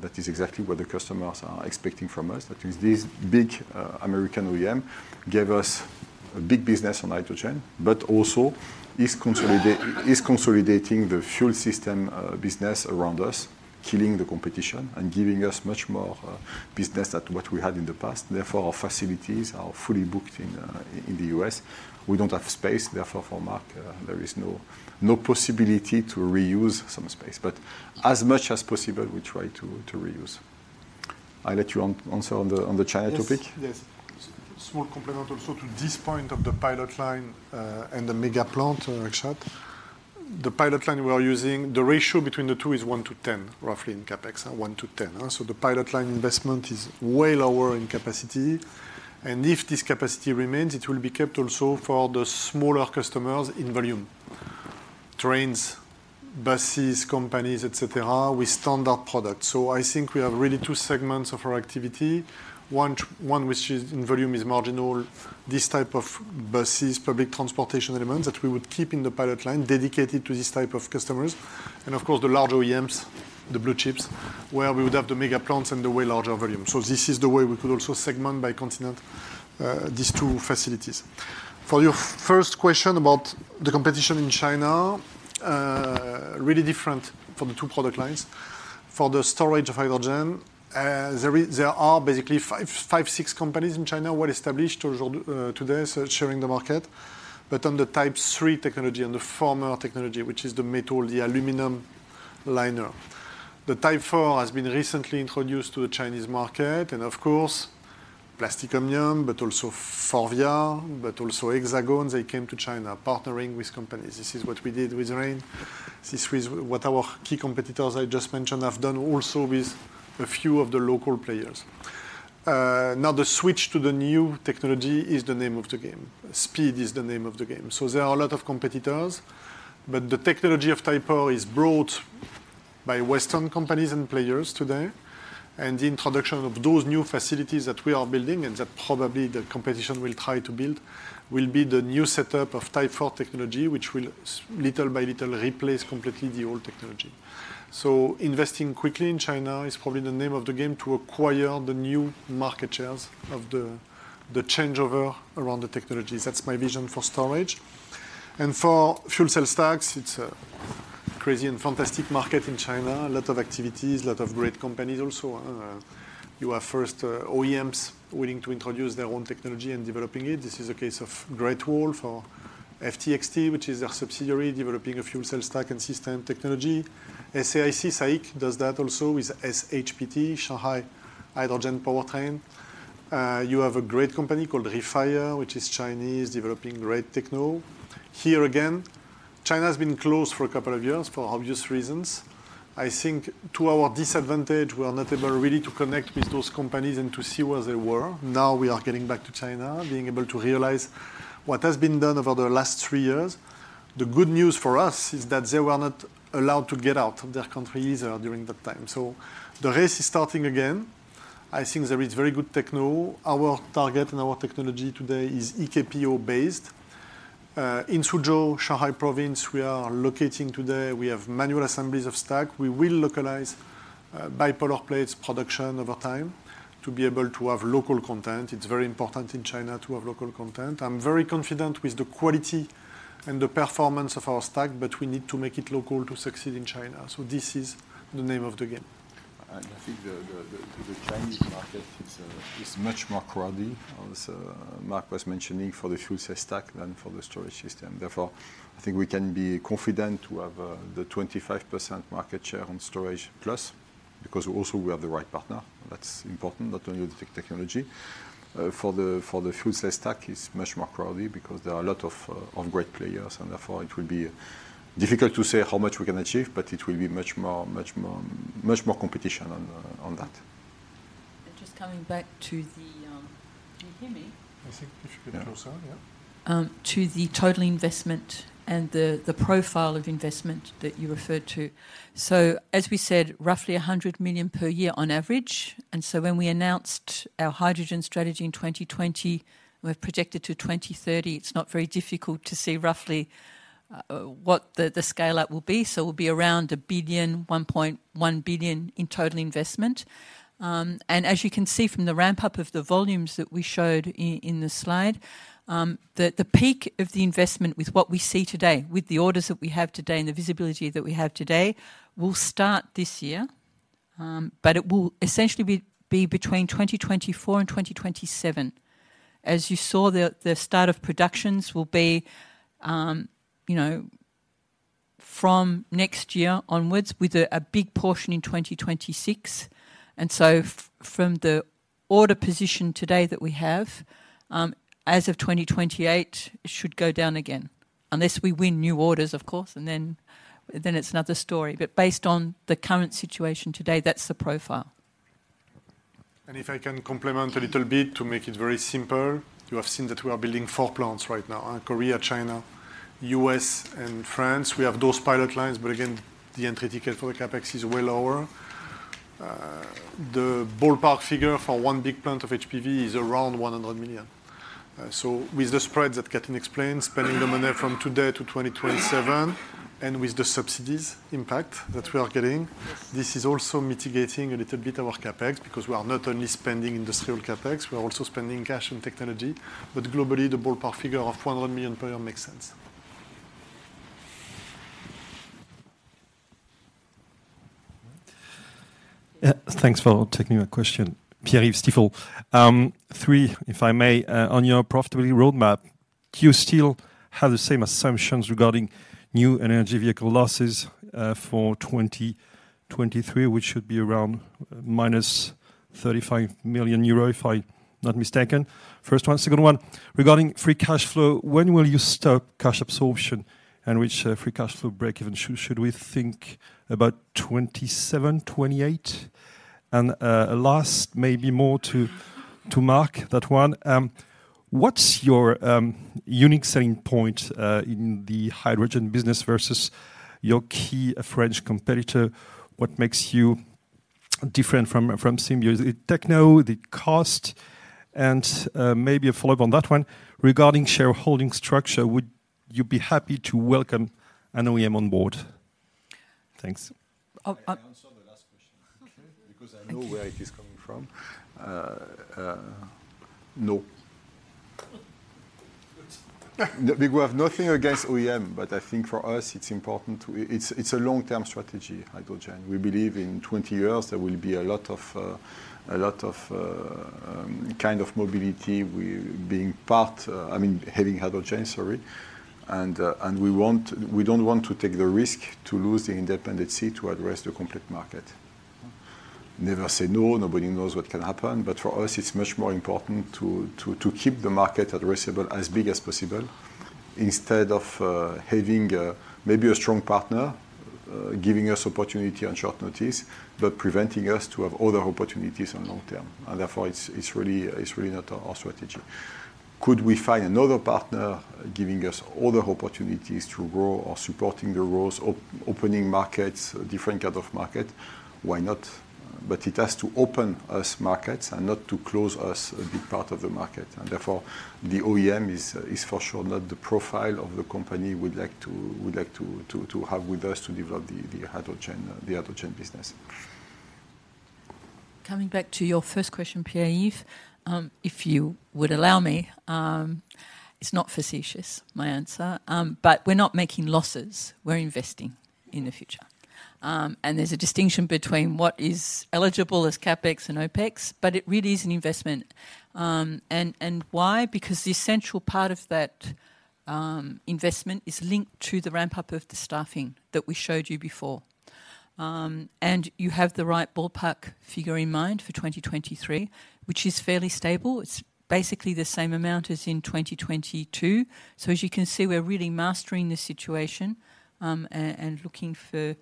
that is exactly what the customers are expecting from us. That is this big American OEM gave us a big business on hydrogen, but also is consolidating the fuel system business around us, killing the competition and giving us much more business than what we had in the past. Therefore, our facilities are fully booked in the U.S. We don't have space, therefore, for Marc, there is no possibility to reuse some space. As much as possible, we try to reuse. I let you answer on the, on the China topic. Yes. Small component also to this point of the pilot line, and the mega plant, Richard. The pilot line we are using, the ratio between the two is 1:10, roughly in CapEx, 1:10, so the pilot line investment is way lower in capacity. If this capacity remains, it will be kept also for the smaller customers in volume. Trains, buses, companies, etc, with standard products. I think we have really two segments of our activity. One which is in volume is marginal. This type of buses, public transportation elements that we would keep in the pilot line dedicated to this type of customers. Of course, the large OEMs, the blue chips, where we would have the mega plants and the way larger volume. This is the way we could also segment by continent, these two facilities. For your first question about the competition in China, really different for the two product lines. For the storage of hydrogen, there are basically five, six companies in China well established today, so sharing the market. On the Type 3 technology and the former technology, which is the metal, the aluminum liner. The Type 4 has been recently introduced to the Chinese market, and of course, OPmobility, but also Faurecia, but also Hexagon Purus, they came to China partnering with companies. This is what we did with Rein Hytech. This is what our key competitors I just mentioned have done also with a few of the local players. Now the switch to the new technology is the name of the game. Speed is the name of the game. There are a lot of competitors, but the technology of Type 4 is brought by Western companies and players today. The introduction of those new facilities that we are building and that probably the competition will try to build will be the new setup of Type 4 technology, which will little by little replace completely the old technology. Investing quickly in China is probably the name of the game to acquire the new market shares of the changeover around the technologies. That's my vision for storage. For fuel cell stacks, it's a crazy and fantastic market in China. A lot of activities, a lot of great companies also. You have first OEMs willing to introduce their own technology and developing it. This is a case of Great Wall for FTXT, which is a subsidiary developing a fuel cell stack and system technology. SAIC does that also with SHPT, Shanghai Hydrogen Power Train. You have a great company called REFIRE, which is Chinese, developing great techno. Here again, China has been closed for a couple of years for obvious reasons. I think to our disadvantage, we are not able really to connect with those companies and to see where they were. Now we are getting back to China, being able to realize what has been done over the last three years. The good news for us is that they were not allowed to get out of their country either during that time. The race is starting again. I think there is very good techno. Our target and our technology today is EKPO based. In Suzhou, Shanghai province, we are locating today. We have manual assemblies of stack. We will localize bipolar plates production over time to be able to have local content. It's very important in China to have local content. I'm very confident with the quality and the performance of our stack, but we need to make it local to succeed in China. This is the name of the game. I think the Chinese market is much more crowded, as Marc was mentioning, for the fuel cell stack than for the storage system. Therefore, I think we can be confident to have the 25% market share on storage plus, because also we have the right partner. That's important, not only the technology. For the fuel cell stack, it's much more crowded because there are a lot of great players, and therefore it will be difficult to say how much we can achieve, but it will be much more competition on that. Coming back to the. Can you hear me? I think you should be able to. Yeah. To the total investment and the profile of investment that you referred to. As we said, roughly 100 million per year on average. When we announced our hydrogen strategy in 2020, we've projected to 2030, it's not very difficult to see roughly what the scale-up will be. We'll be around 1 billion-1.1 billion in total investment. As you can see from the ramp-up of the volumes that we showed in the slide, the peak of the investment with what we see today, with the orders that we have today and the visibility that we have today, will start this year. It will essentially be between 2024 and 2027. As you saw, the start of productions will be, you know, from next year onwards with a big portion in 2026. From the order position today that we have, as of 2028, it should go down again. Unless we win new orders, of course, and then it's another story. Based on the current situation today, that's the profile. If I can complement a little bit to make it very simple, you have seen that we are building four plants right now, Korea, China, U.S. and France. We have those pilot lines, but again, the entry ticket for the CapEx is way lower. The ballpark figure for one big plant of HPV is around 100 million. With the spreads that Kathleen explained, spending the money from today to 2027, and with the subsidies impact that we are getting, this is also mitigating a little bit our CapEx because we are not only spending industrial CapEx, we are also spending cash on technology. Globally, the ballpark figure of 100 million per year makes sense. Thanks for taking my question. Pierre from Stifel. Three, if I may, on your profitability roadmap, do you still have the same assumptions regarding new energy vehicle losses for 2023, which should be around -35 million euro if I'm not mistaken? First one. Second one, regarding free cash flow, when will you stop cash absorption and reach free cash flow breakeven? Should we think about 2027, 2028? Last maybe more to Marc, that one. What's your unique selling point in the hydrogen business versus your key French competitor? What makes you different from Siemens? Is it techno, the cost? Maybe a follow-up on that one, regarding shareholding structure, would you be happy to welcome an OEM on board? Thanks. I answer the last question. Okay. Because I know where it is coming from. No. We have nothing against OEM, but I think for us it's important. It's a long-term strategy, hydrogen. We believe in 20 years there will be a lot of, a lot of, kind of mobility being part, I mean, having hydrogen, sorry. We don't want to take the risk to lose the independency to address the complete market. Never say no. Nobody knows what can happen. For us, it's much more important to keep the market addressable as big as possible instead of having a, maybe a strong partner, giving us opportunity on short notice, but preventing us to have other opportunities on long term. Therefore, it's really not our strategy. Could we find another partner giving us other opportunities to grow or supporting the growth, opening markets, different kind of market? Why not? It has to open us markets and not to close us a big part of the market. Therefore, the OEM is for sure not the profile of the company we'd like to have with us to develop the hydrogen, the hydrogen business. Coming back to your first question, Pierre-Yves, if you would allow me, it's not facetious, my answer. We're not making losses. We're investing in the future. There's a distinction between what is eligible as CapEx and OpEx, but it really is an investment. Why? Because the essential part of that investment is linked to the ramp-up of the staffing that we showed you before. You have the right ballpark figure in mind for 2023, which is fairly stable. It's basically the same amount as in 2022. As you can see, we're really mastering the situation, and looking for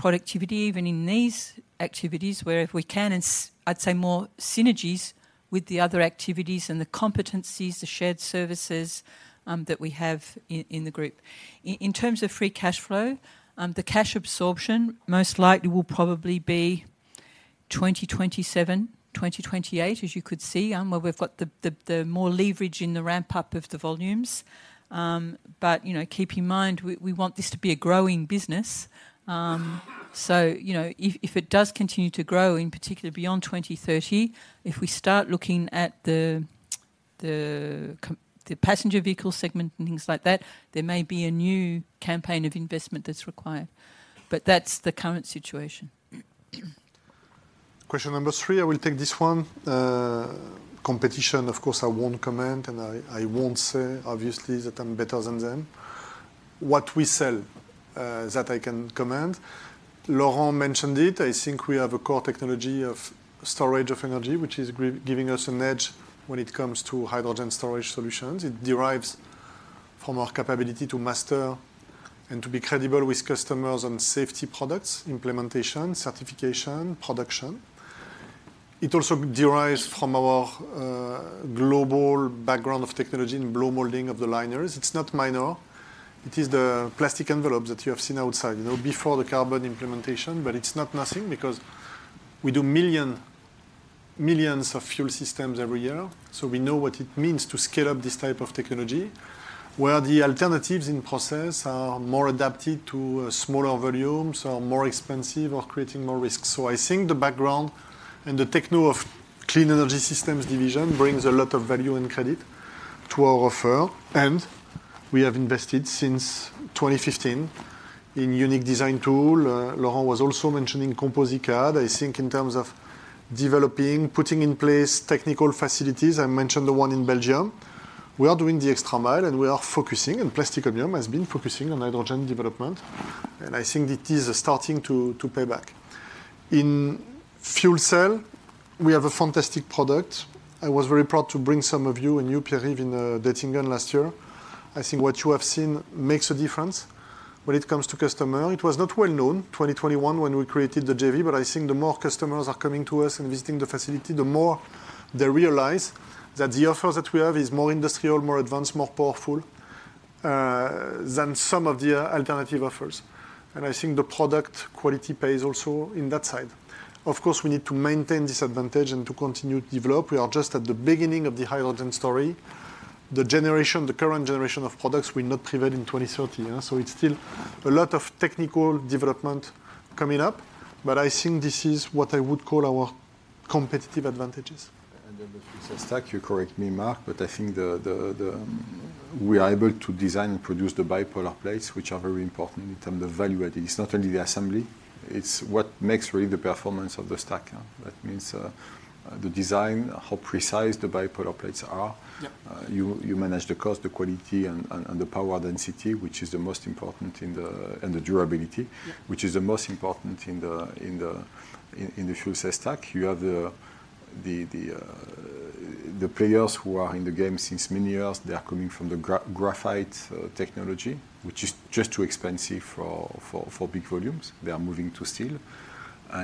productivity even in these activities where if we can, I'd say more synergies with the other activities and the competencies, the shared services, that we have in the group. In terms of free cash flow, the cash absorption most likely will probably be 2027, 2028, as you could see, where we've got the more leverage in the ramp-up of the volumes. you know, keep in mind, we want this to be a growing business. you know, if it does continue to grow, in particular beyond 2030, if we start looking at the passenger vehicle segment and things like that, there may be a new campaign of investment that's required. That's the current situation. Question number three, I will take this one. Competition, of course, I won't comment, and I won't say obviously that I'm better than them. What we sell, that I can comment. Laurent Favre mentioned it. I think we have a core technology of storage of energy, which is giving us an edge when it comes to hydrogen storage solutions. It derives from our capability to master and to be credible with customers on safety products, implementation, certification, production. It also derives from our global background of technology in blow molding of the liners. It's not minor. It is the plastic envelope that you have seen outside, you know, before the carbon implementation. It's not nothing, because we do millions of fuel systems every year, so we know what it means to scale up this type of technology. Where the alternatives in process are more adapted to smaller volumes or more expensive or creating more risks. I think the background and the techno of Clean Energy Systems division brings a lot of value and credit to our offer. We have invested since 2015 in unique design tool. Laurent was also mentioning ComposiCad. I think in terms of developing, putting in place technical facilities, I mentioned the one in Belgium. We are doing the extra mile, and we are focusing, and OPmobility has been focusing on hydrogen development, and I think that is starting to pay back. In fuel cell, we have a fantastic product. I was very proud to bring some of you and you, Pierre, even, Dettingen last year. I think what you have seen makes a difference when it comes to customer. It was not well known, 2021, when we created the JV, but I think the more customers are coming to us and visiting the facility, the more they realize that the offer that we have is more industrial, more advanced, more powerful than some of the alternative offers. I think the product quality pays also in that side. Of course, we need to maintain this advantage and to continue to develop. We are just at the beginning of the hydrogen story. The generation, the current generation of products will not prevail in 2030, yeah? It's still a lot of technical development coming up, but I think this is what I would call our competitive advantages. Then the fuel cell stack, you correct me, Marc, but I think we are able to design and produce the bipolar plates, which are very important in terms of value adding. It's not only the assembly, it's what makes really the performance of the stack. That means the design, how precise the bipolar plates are. You manage the cost, the quality and the power density, which is the most important and the durability which is the most important in the fuel cell stack. You have the players who are in the game since many years, they are coming from the graphite technology, which is just too expensive for big volumes. They are moving to steel.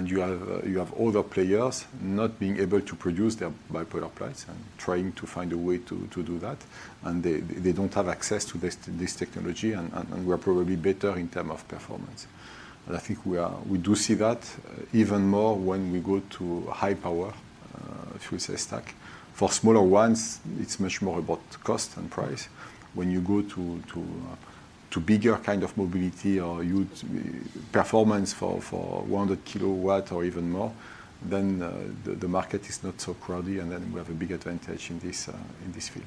You have other players not being able to produce their bipolar plates and trying to do that. They don't have access to this technology, and we are probably better in terms of performance. I think we do see that even more when we go to high power fuel cell stack. For smaller ones, it's much more about cost and price. When you go to bigger kind of mobility or huge performance for 100 kW or even more, then the market is not so crowded, and then we have a big advantage in this field.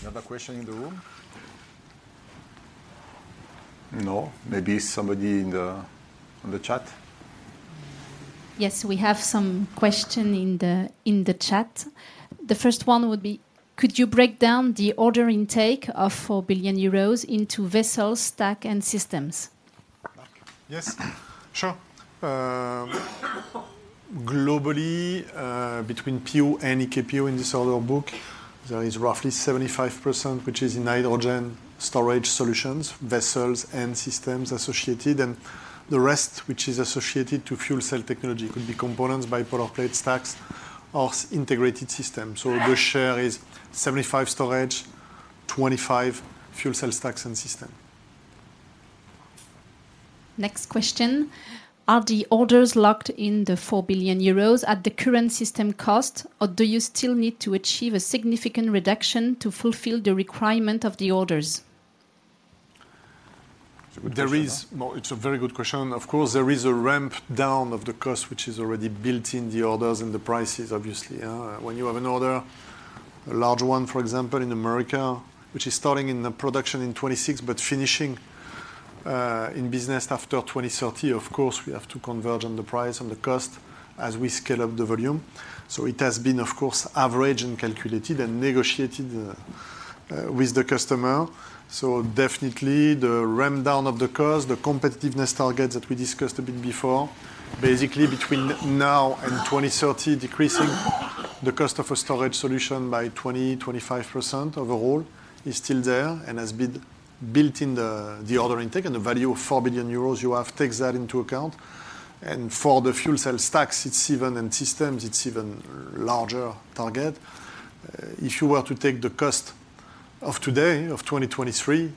Another question in the room? No. Maybe somebody in the chat. Yes, we have some question in the chat. The first one would be, could you break down the order intake of 4 billion euros into vessels, stack, and systems? Marc? Yes, sure. globally, between PU and EKPO in this order book, there is roughly 75%, which is in hydrogen storage solutions, vessels and systems associated. The rest, which is associated to fuel cell technology, could be components, bipolar plate stacks or integrated systems. The share is 75% storage, 25% fuel cell stacks and system. Next question. Are the orders locked in the 4 billion euros at the current system cost, or do you still need to achieve a significant reduction to fulfill the requirement of the orders? It's a good question. No, it's a very good question. Of course, there is a ramp down of the cost, which is already built in the orders and the prices, obviously, yeah? When you have an order, a large one, for example, in America, which is starting in the production in 2026 but finishing in business after 2030, of course, we have to converge on the price and the cost as we scale up the volume. It has been, of course, averaged and calculated and negotiated with the customer. Definitely the ramp down of the cost, the competitiveness targets that we discussed a bit before, basically between now and 2030, decreasing the cost of a storage solution by 20%-25% overall is still there and has been built in the order intake. The value of 4 billion euros you have takes that into account. For the fuel cell stacks, it's even in systems, it's even larger target. If you were to take the cost of today, of 2023,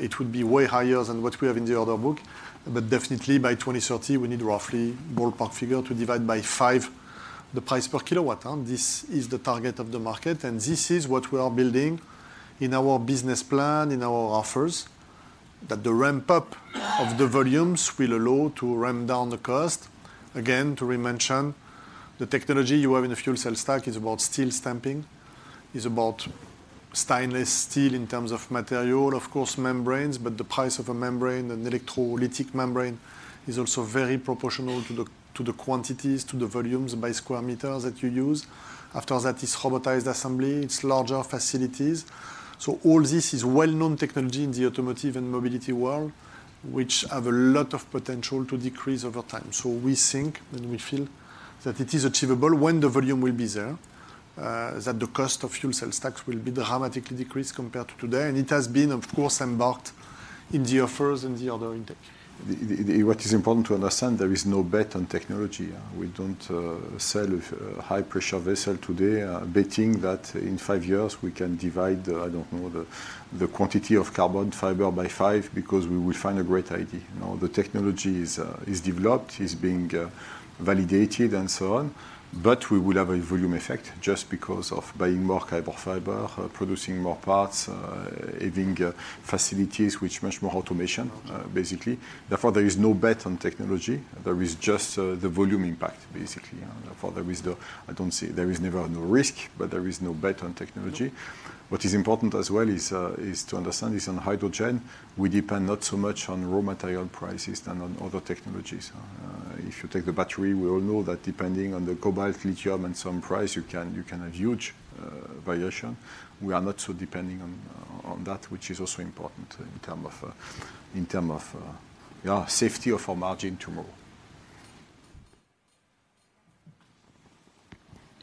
it would be way higher than what we have in the order book. Definitely by 2030, we need roughly ballpark figure to divide by 5 the price per kW. This is the target of the market, and this is what we are building in our business plan, in our offers, that the ramp up of the volumes will allow to ramp down the cost. Again, to remention, the technology you have in a fuel cell stack is about steel stamping, is about stainless steel in terms of material, of course, membranes, but the price of a membrane, an electrolytic membrane, is also very proportional to the quantities, to the volumes by square meters that you use. After that is robotized assembly, it's larger facilities. All this is well-known technology in the automotive and mobility world, which have a lot of potential to decrease over time. We think and we feel that it is achievable when the volume will be there, that the cost of fuel cell stacks will be dramatically decreased compared to today. It has been, of course, embarked in the offers and the other intake. What is important to understand, there is no bet on technology. We don't sell a high pressure vessel today, betting that in five years we can divide, I don't know, the quantity of carbon fiber by five because we will find a great idea. No, the technology is developed, is being validated and so on. We will have a volume effect just because of buying more carbon fiber, producing more parts, having facilities with much more automation, basically. Therefore, there is no bet on technology. There is just the volume impact basically. Therefore I don't say there is never no risk, but there is no bet on technology. What is important as well is to understand is on hydrogen, we depend not so much on raw material prices than on other technologies. If you take the battery, we all know that depending on the cobalt, lithium and some price, you can have huge variation. We are not so depending on that, which is also important in term of, yeah, safety of our margin tomorrow.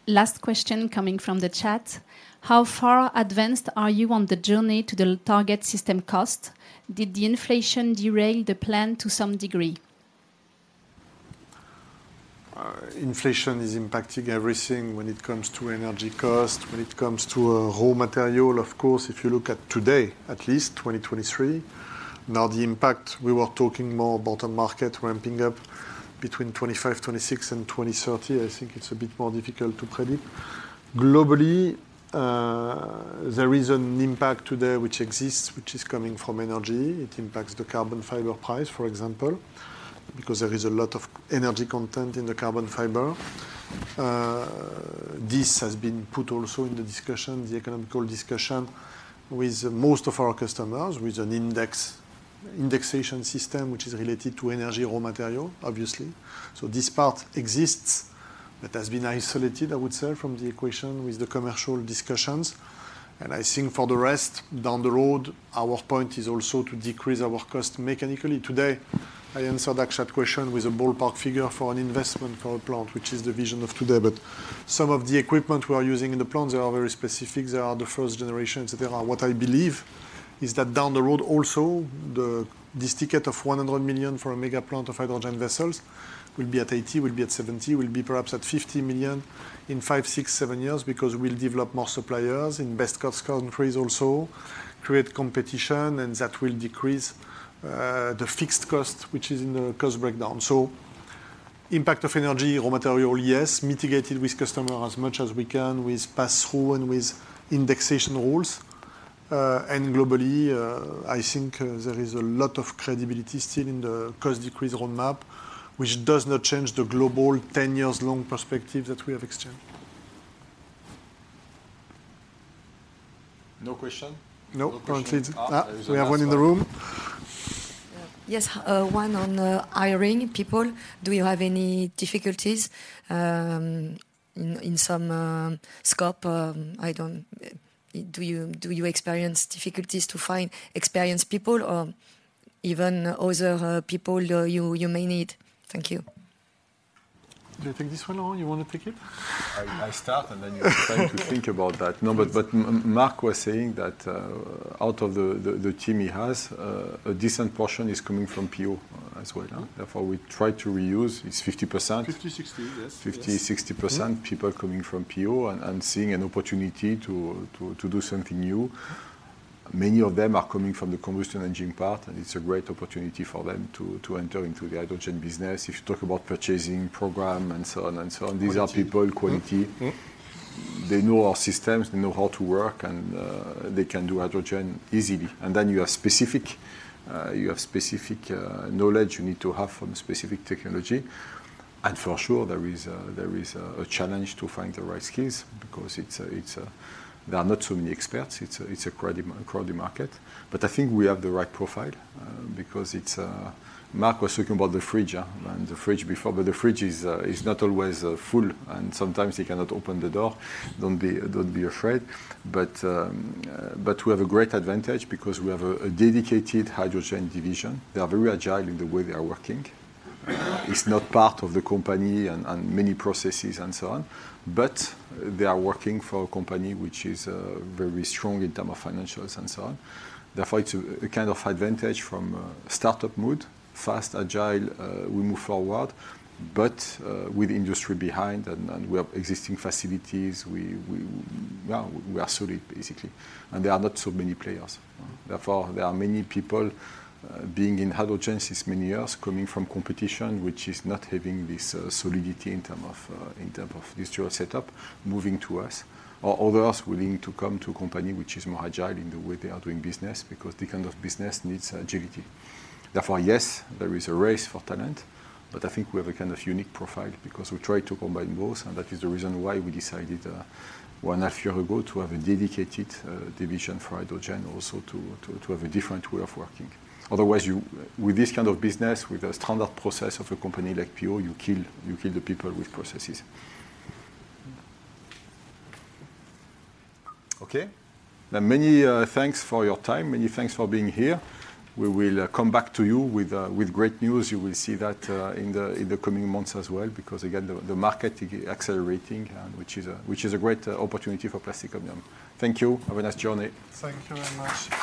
Last question coming from the chat: How far advanced are you on the journey to the target system cost? Did the inflation derail the plan to some degree? Inflation is impacting everything when it comes to energy cost, when it comes to raw material, of course. If you look at today, at least 2023. Now the impact, we were talking more bottom market ramping up between 2025, 2026 and 2030. I think it's a bit more difficult to predict. Globally, there is an impact today which exists, which is coming from energy. It impacts the carbon fiber price, for example, because there is a lot of energy content in the carbon fiber. This has been put also in the discussion, the economical discussion with most of our customers with an index, indexation system which is related to energy, raw material, obviously. This part exists, but has been isolated, I would say, from the equation with the commercial discussions. I think for the rest down the road, our point is also to decrease our cost mechanically. Today, I answered that chat question with a ballpark figure for an investment for a plant, which is the vision of today. Some of the equipment we are using in the plants, they are very specific. They are the first generation. They are what I believe is that down the road also, this ticket of 100 million for a mega plant of hydrogen vessels will be at 80 million, will be at 70 million, will be perhaps at 50 million in 5-8 years because we'll develop more suppliers in best cost countries also, create competition, and that will decrease the fixed cost which is in the cost breakdown. Impact of energy, raw material, yes. Mitigated with customer as much as we can with pass-through and with indexation rules. Globally, I think, there is a lot of credibility still in the cost decrease roadmap, which does not change the global 10 years long perspective that we have exchanged. No question? No, currently. We have one in the room. Yes, one on hiring people. Do you have any difficulties in some scope? Do you experience difficulties to find experienced people or even other people you may need? Thank you. Do you take this one or you want to take it? I start and then you try to think about that. No, Marc was saying that out of the team he has, a decent portion is coming from PO as well. Therefore, we try to reuse. It's 50%. 50%-60%. Yes. 50%-60% people coming from PO and seeing an opportunity to do something new. Many of them are coming from the combustion engine part, it's a great opportunity for them to enter into the hydrogen business. If you talk about purchasing program and so on. Quality. These are people, quality. They know our systems, they know how to work, and they can do hydrogen easily. Then you have specific knowledge you need to have from specific technology. For sure, there is a challenge to find the right skills because there are not so many experts. It's a crowded market. I think we have the right profile because it's, Marc was talking about the fridge and the fridge before. The fridge is not always full, and sometimes he cannot open the door. Don't be afraid. We have a great advantage because we have a dedicated hydrogen division. They are very agile in the way they are working. It's not part of the company and many processes and so on. They are working for a company which is very strong in term of financials and so on. Therefore, it's a kind of advantage from startup mode, fast, agile, we move forward, but with industry behind and we have existing facilities. We, yeah, we are solid basically. There are not so many players. Therefore, there are many people being in hydrogen since many years, coming from competition which is not having this solidity in term of in term of industrial setup, moving to us, or others willing to come to a company which is more agile in the way they are doing business because this kind of business needs agility. Yes, there is a race for talent, but I think we have a kind of unique profile because we try to combine both, and that is the reason why we decided one and a half year ago to have a dedicated division for hydrogen also to have a different way of working. With this kind of business, with a standard process of a company like PO, you kill the people with processes. Many thanks for your time. Many thanks for being here. We will come back to you with great news. You will see that in the coming months as well because again, the market accelerating and which is a great opportunity for Plastic Omnium. Thank you. Have a nice journey. Thank you very much.